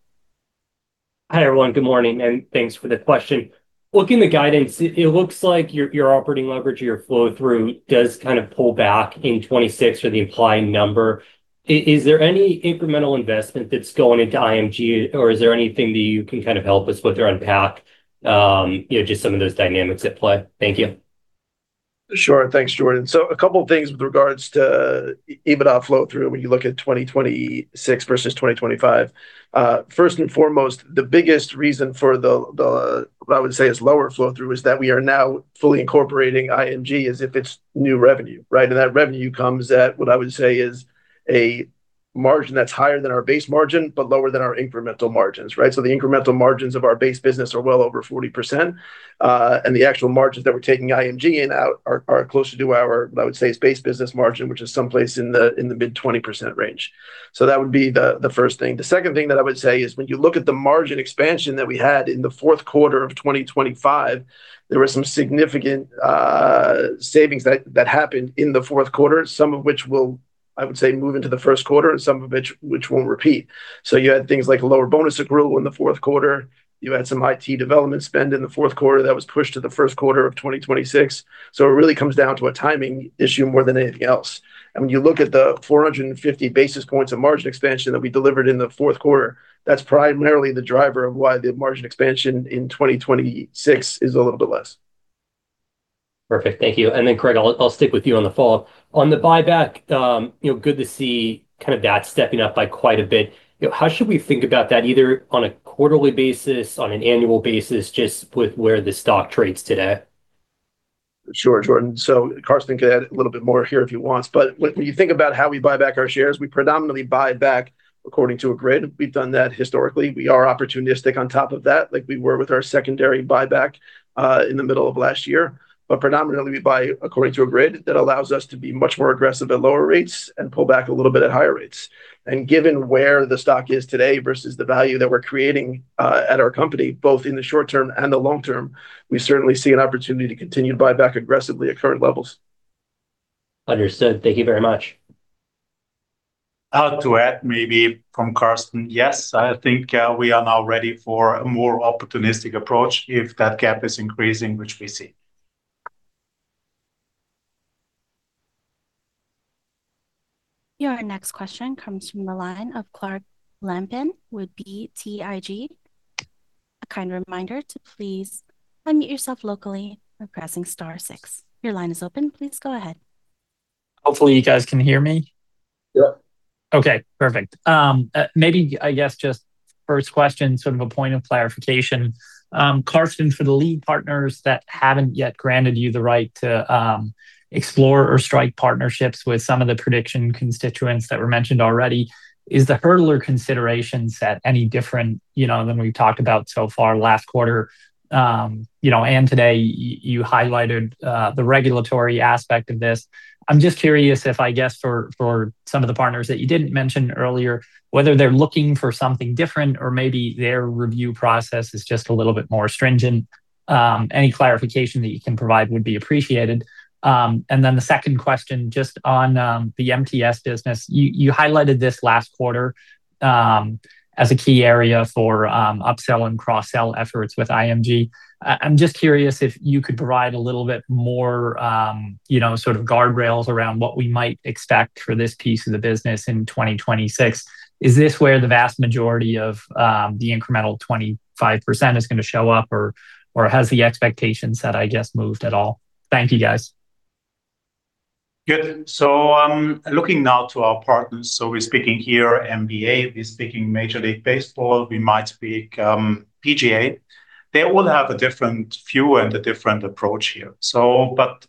K: Hi, everyone. Good morning, and thanks for the question. Looking at the guidance, it looks like your operating leverage or your flow through does kind of pull back in 2026 for the implied number. Is there any incremental investment that's going into IMG, or is there anything that you can kind of help us with or unpack, you know, just some of those dynamics at play? Thank you.
D: Sure. Thanks, Jordan. A couple of things with regards to EBITDA flow through when you look at 2026 versus 2025. First and foremost, the biggest reason for the, what I would say is lower flow through is that we are now fully incorporating IMG as if it's new revenue, right? That revenue comes at, what I would say is a margin that's higher than our base margin, but lower than our incremental margins, right? The incremental margins of our base business are well over 40%. The actual margins that we're taking IMG in and out are close to our, I would say, base business margin, which is someplace in the mid 20% range. That would be the first thing. The second thing that I would say is when you look at the margin expansion that we had in the Q4 of 2025, there were some significant savings that happened in the Q4, some of which will, I would say, move into the Q1 and some of which won't repeat. You had things like lower bonus accrual in the Q4. You had some IT development spend in the Q4 that was pushed to the Q1 of 2026. It really comes down to a timing issue more than anything else. When you look at the 450 basis points of margin expansion that we delivered in the Q4, that's primarily the driver of why the margin expansion in 2026 is a little bit less.
K: Perfect. Thank you. Craig, I'll stick with you on the follow-up. On the buyback, you know, good to see kind of that stepping up by quite a bit. You know, how should we think about that either on a quarterly basis, on an annual basis, just with where the stock trades today?
D: Sure, Jordan. Carsten can add a little bit more here if he wants. When you think about how we buy back our shares, we predominantly buy back according to a grid. We've done that historically. We are opportunistic on top of that, like we were with our secondary buyback in the middle of last year. Predominantly, we buy according to a grid that allows us to be much more aggressive at lower rates and pull back a little bit at higher rates. Given where the stock is today versus the value that we're creating at our company, both in the short term and the long term, we certainly see an opportunity to continue to buy back aggressively at current levels.
K: Understood. Thank you very much.
C: To add maybe from Carsten, yes, I think, we are now ready for a more opportunistic approach if that gap is increasing, which we see.
A: Your next question comes from the line of Clark Lampen with BTIG. A kind reminder to please unmute yourself locally by pressing star six. Your line is open. Please go ahead.
L: Hopefully, you guys can hear me.
D: Yep.
L: Okay, perfect. maybe, I guess just first question, sort of a point of clarification. Carsten, for the lead partners that haven't yet granted you the right to explore or strike partnerships with some of the prediction constituents that were mentioned already, is the hurdler consideration set any different, you know, than we've talked about so far last quarter? you know, and today you highlighted the regulatory aspect of this. I'm just curious if, I guess, for some of the partners that you didn't mention earlier, whether they're looking for something different or maybe their review process is just a little bit more stringent. Any clarification that you can provide would be appreciated. Then the second question, just on the MTS business. You, you highlighted this last quarter, as a key area for upsell and cross-sell efforts with IMG. I'm just curious if you could provide a little bit more, you know, sort of guardrails around what we might expect for this piece of the business in 2026. Is this where the vast majority of the incremental 25% is gonna show up, or has the expectation set, I guess, moved at all? Thank you, guys.
C: Good. Looking now to our partners, we're speaking here NBA, we're speaking Major League Baseball, we might speak PGA. They all have a different view and a different approach here.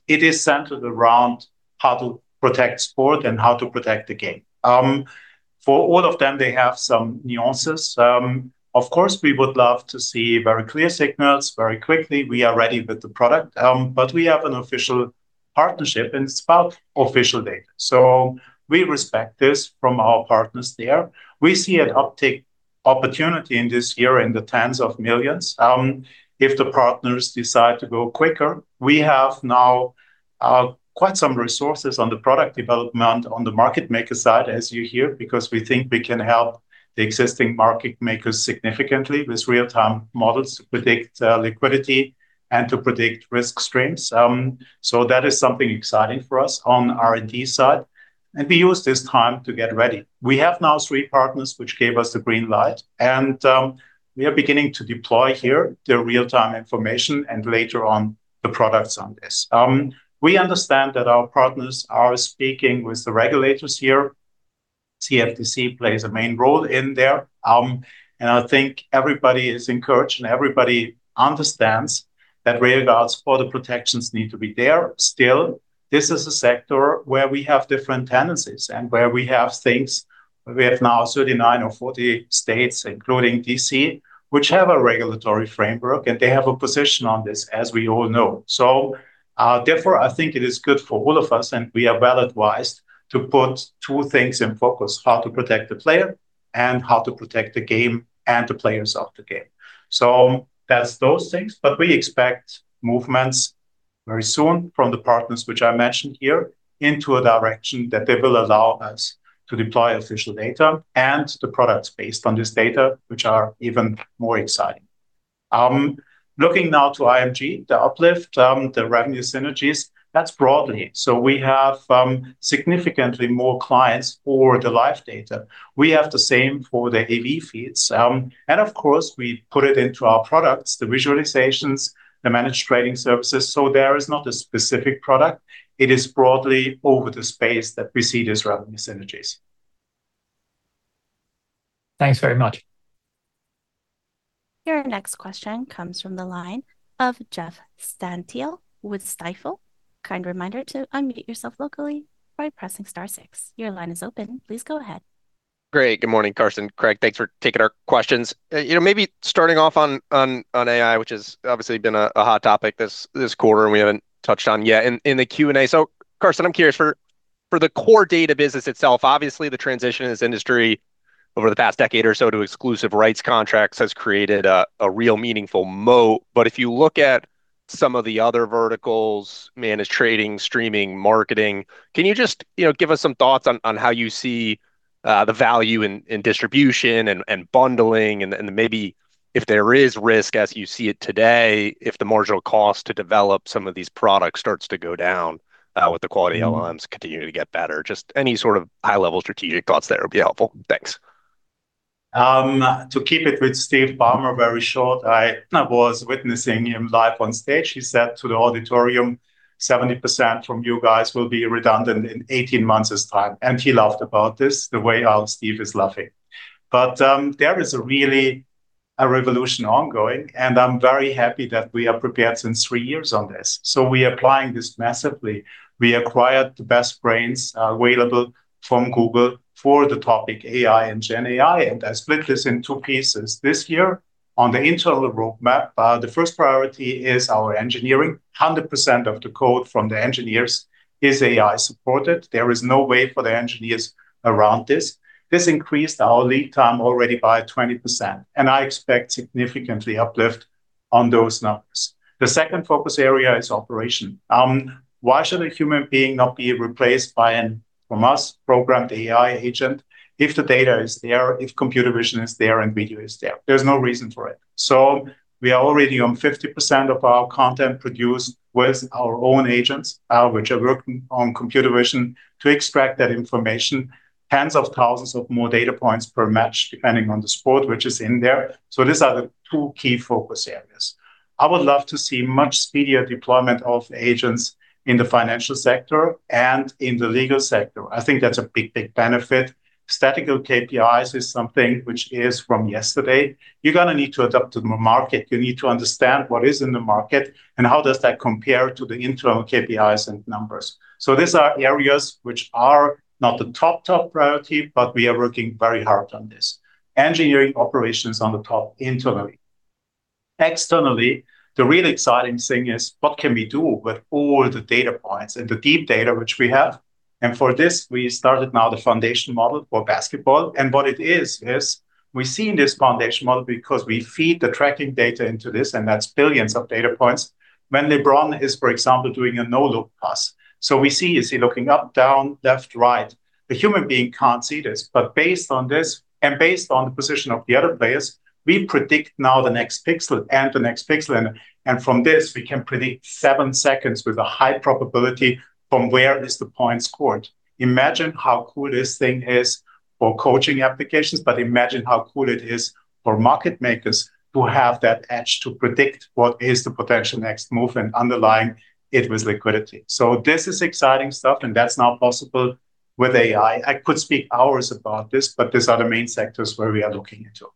C: It is centered around how to protect sport and how to protect the game. For all of them, they have some nuances. Of course, we would love to see very clear signals very quickly. We are ready with the product. We have an official partnership, and it's about official data. We respect this from our partners there. We see an uptick opportunity in this year in the tens of millions if the partners decide to go quicker. We have now quite some resources on the product development on the market maker side, as you hear, because we think we can help the existing market makers significantly with real-time models to predict liquidity and to predict risk streams. That is something exciting for us on R&D side, and we use this time to get ready. We have now three partners which gave us the green light and we are beginning to deploy here the real-time information and later on the products on this. We understand that our partners are speaking with the regulators here. CFTC plays a main role in there. I think everybody is encouraged and everybody understands that regards for the protections need to be there. Still, this is a sector where we have different tendencies and where we have things. We have now 39 or 40 states, including D.C., which have a regulatory framework, and they have a position on this, as we all know. Therefore, I think it is good for all of us, and we are well advised to put two things in focus, how to protect the player and how to protect the game and the players of the game. That's those things. We expect movements very soon from the partners which I mentioned here into a direction that they will allow us to deploy official data and the products based on this data, which are even more exciting. Looking now to IMG, the uplift, the revenue synergies, that's broadly. We have significantly more clients for the live data. We have the same for the AV feeds. Of course, we put it into our products, the visualizations, the Managed Trading Services. There is not a specific product. It is broadly over the space that we see this revenue synergies.
L: Thanks very much.
A: Your next question comes from the line of Jeffrey Stantial with Stifel. Kind reminder to unmute yourself locally by pressing star six. Your line is open. Please go ahead.
M: Great. Good morning, Carsten, Craig. Thanks for taking our questions. You know, maybe starting off on AI, which has obviously been a hot topic this quarter, and we haven't touched on yet in the Q&A. Carsten, I'm curious for the core data business itself, obviously the transition in this industry over the past decade or so to exclusive rights contracts has created a real meaningful moat. If you look at some of the other verticals, managed trading, streaming, marketing, can you just, you know, give us some thoughts on how you see the value in distribution and bundling and then maybe if there is risk as you see it today, if the marginal cost to develop some of these products starts to go down with the quality LLMs continuing to get better. Just any sort of high-level strategic thoughts there would be helpful. Thanks.
C: To keep it with Steve Ballmer very short, I was witnessing him live on stage. He said to the auditorium, "70% from you guys will be redundant in 18 months' time." He laughed about this the way our Steve is laughing. There is really a revolution ongoing, and I'm very happy that we are prepared since three years on this. We applying this massively. We acquired the best brains available from Google for the topic AI and GenAI, and I split this in two pieces. This year on the internal roadmap, the first priority is our engineering. 100% of the code from the engineers is AI supported. There is no way for the engineers around this. This increased our lead time already by 20%, and I expect significantly uplift on those numbers. The second focus area is operation. Why should a human being not be replaced by an from us programmed AI agent if the data is there, if computer vision is there and video is there? There's no reason for it. We are already on 50% of our content produced with our own agents, which are working on computer vision to extract that information, tens of thousands of more data points per match, depending on the sport which is in there. These are the two key focus areas. I would love to see much speedier deployment of agents in the financial sector and in the legal sector. I think that's a big, big benefit. Statistical KPIs is something which is from yesterday. You're gonna need to adapt to the market. You need to understand what is in the market and how does that compare to the internal KPIs and numbers. These are areas which are not the top priority, but we are working very hard on this. Engineering operations on the top internally. Externally, the real exciting thing is what can we do with all the data points and the deep data which we have? For this, we started now the foundation model for basketball. What it is we've seen this foundation model because we feed the tracking data into this, and that's billions of data points. When LeBron is, for example, doing a no-look pass. We see is he looking up, down, left, right. The human being can't see this, but based on this and based on the position of the other players, we predict now the next pixel and the next pixel, and from this we can predict seven seconds with a high probability from where is the points scored. Imagine how cool this thing is for coaching applications, but imagine how cool it is for market makers to have that edge to predict what is the potential next move and underline it with liquidity. This is exciting stuff, and that's now possible with AI. I could speak hours about this, but these are the main sectors where we are looking into.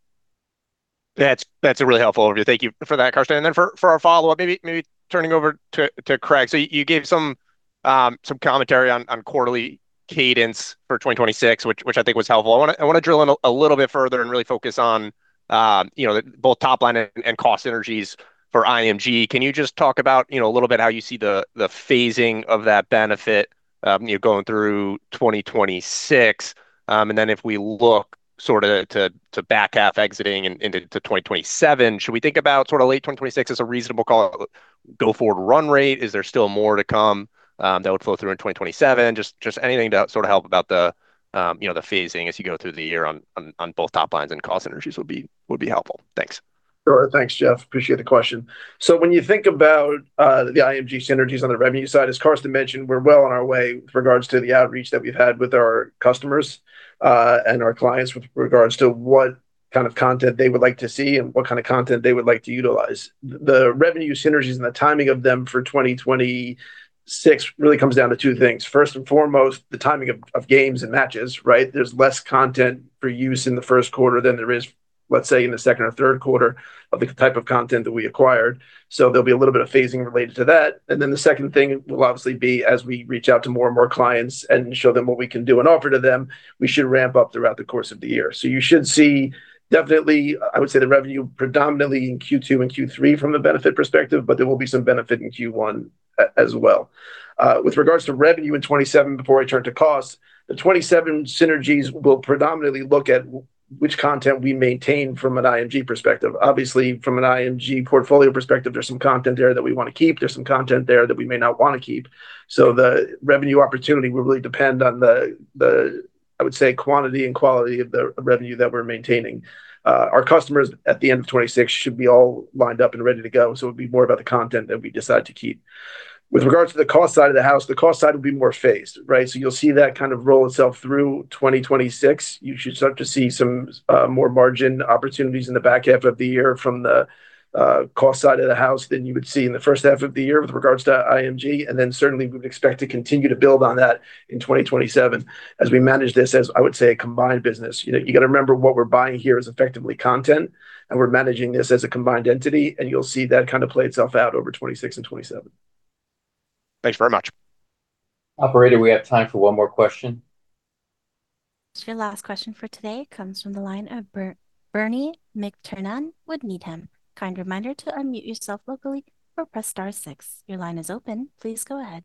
M: That's really helpful overview. Thank you for that, Carsten. For our follow-up, maybe turning over to Craig. You gave some commentary on quarterly cadence for 2026, which I think was helpful. I wanna drill in a little bit further and really focus on, you know, both top line and cost synergies for IMG. Can you just talk about, you know, a little bit how you see the phasing of that benefit, you know, going through 2026? If we look sorta to back 1/2 exiting into 2027, should we think about sort of late 2026 as a reasonable call go forward run rate? Is there still more to come that would flow through in 2027? Just anything to sort of help about the, you know, the phasing as you go through the year on both top lines and cost synergies would be helpful. Thanks.
D: Sure. Thanks, Jeffrey. Appreciate the question. When you think about the IMG synergies on the revenue side, as Carsten mentioned, we're well on our way with regards to the outreach that we've had with our customers and our clients with regards to what kind of content they would like to see and what kind of content they would like to utilize. The revenue synergies and the timing of them for 2026 really comes down to two things. First and foremost, the timing of games and matches, right? There's less content for use in the Q1 than there is, let's say, in the Q2 or Q3 of the type of content that we acquired. There'll be a little bit of phasing related to that. The second thing will obviously be as we reach out to more and more clients and show them what we can do and offer to them, we should ramp up throughout the course of the year. You should see definitely, I would say the revenue predominantly in Q2 and Q3 from a benefit perspective, but there will be some benefit in Q1 as well. With regards to revenue in 2027 before I turn to costs, the 2027 synergies will predominantly look at which content we maintain from an IMG perspective. Obviously from an IMG portfolio perspective, there's some content there that we wanna keep, there's some content there that we may not wanna keep. The revenue opportunity will really depend on the, I would say, quantity and quality of the revenue that we're maintaining. Our customers at the end of 2026 should be all lined up and ready to go, so it'd be more about the content that we decide to keep. With regards to the cost side of the house, the cost side will be more phased, right. You'll see that kind of roll itself through 2026. You should start to see some more margin opportunities in the back half of the year from the cost side of the house than you would see in the first half of the year with regards to IMG. Certainly we would expect to continue to build on that in 2027 as we manage this as, I would say, a combined business. You know, you gotta remember what we're buying here is effectively content, and we're managing this as a combined entity, and you'll see that kind of play itself out over 2026 and 2027.
M: Thanks very much.
C: Operator, we have time for one more question.
A: This is your last question for today. Comes from the line of Bernie McTernan with Needham. Kind reminder to unmute yourself locally or press star six. Your line is open. Please go ahead.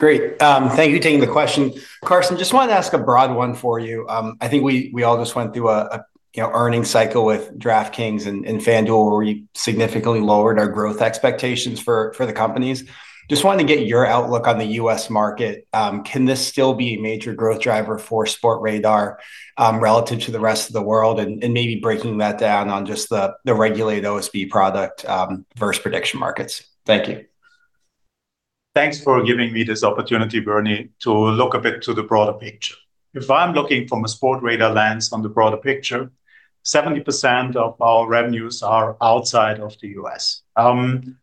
N: Great. Thank you for taking the question. Carsten, just wanted to ask a broad one for you. I think we all just went through a, you know, earning cycle with DraftKings and FanDuel, where we significantly lowered our growth expectations for the companies. Just wanted to get your outlook on the US market. Can this still be a major growth driver for Sportradar, relative to the rest of the world? Maybe breaking that down on just the regulated OSB product, versus prediction markets. Thank you.
C: Thanks for giving me this opportunity, Bernie, to look a bit to the broader picture. If I'm looking from a Sportradar lens on the broader picture, 70% of our revenues are outside of the U.S.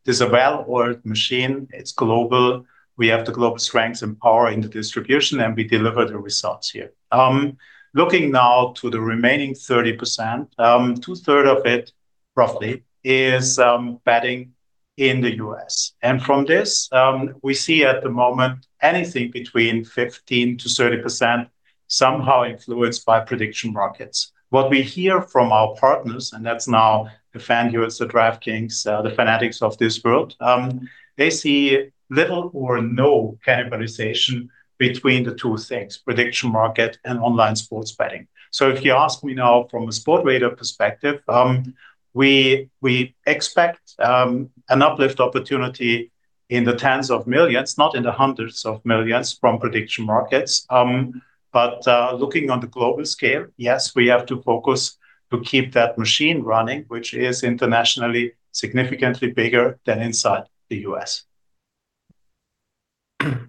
C: There's a well-oiled machine, it's global. We have the global strength and power in the distribution, and we deliver the results here. Looking now to the remaining 30%, 2/3 of it, roughly, is betting in the U.S. From this, we see at the moment anything between 15%-30% somehow influenced by prediction markets. What we hear from our partners, and that's now the FanDuel, it's the DraftKings, the Fanatics of this world, they see little or no cannibalization between the two things, prediction market and online sports betting. If you ask me now from a Sportradar perspective, we expect an uplift opportunity in the tens of millions, not in the hundreds of millions, from prediction markets. Looking on the global scale, yes, we have to focus to keep that machine running, which is internationally significantly bigger than inside the U.S.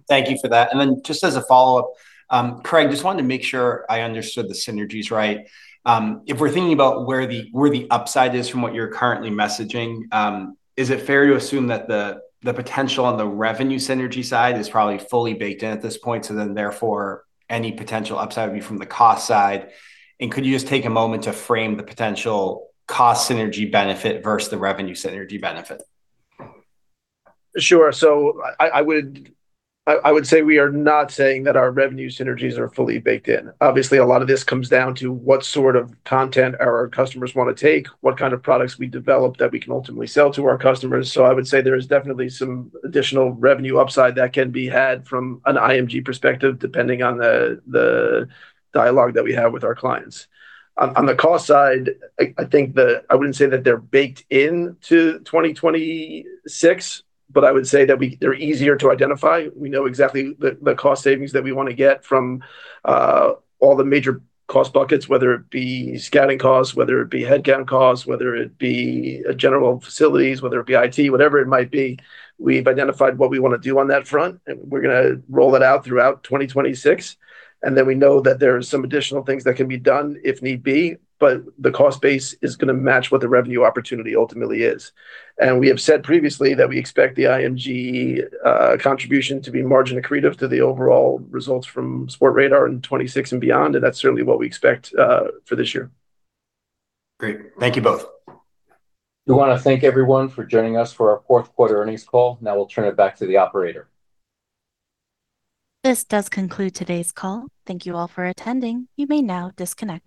N: Thank you for that. Just as a follow-up, Craig, just wanted to make sure I understood the synergies right. If we're thinking about where the, where the upside is from what you're currently messaging, is it fair to assume that the potential on the revenue synergy side is probably fully baked in at this point, therefore any potential upside would be from the cost side? Could you just take a moment to frame the potential cost synergy benefit versus the revenue synergy benefit?
D: Sure. I would say we are not saying that our revenue synergies are fully baked in. Obviously, a lot of this comes down to what sort of content our customers wanna take, what kind of products we develop that we can ultimately sell to our customers. I would say there is definitely some additional revenue upside that can be had from an IMG perspective, depending on the dialogue that we have with our clients. On the cost side, I think I wouldn't say that they're baked into 2026, but I would say that they're easier to identify. We know exactly the cost savings that we wanna get from all the major cost buckets, whether it be scouting costs, whether it be headcount costs, whether it be general facilities, whether it be IT, whatever it might be. We've identified what we wanna do on that front, we're gonna roll it out throughout 2026. We know that there are some additional things that can be done if need be, but the cost base is gonna match what the revenue opportunity ultimately is. We have said previously that we expect the IMG contribution to be margin accretive to the overall results from Sportradar in 26 and beyond, and that's certainly what we expect for this year.
N: Great. Thank you both.
B: We wanna thank everyone for joining us for our Q4 earnings call. Now we'll turn it back to the operator.
A: This does conclude today's call. Thank you all for attending. You may now disconnect.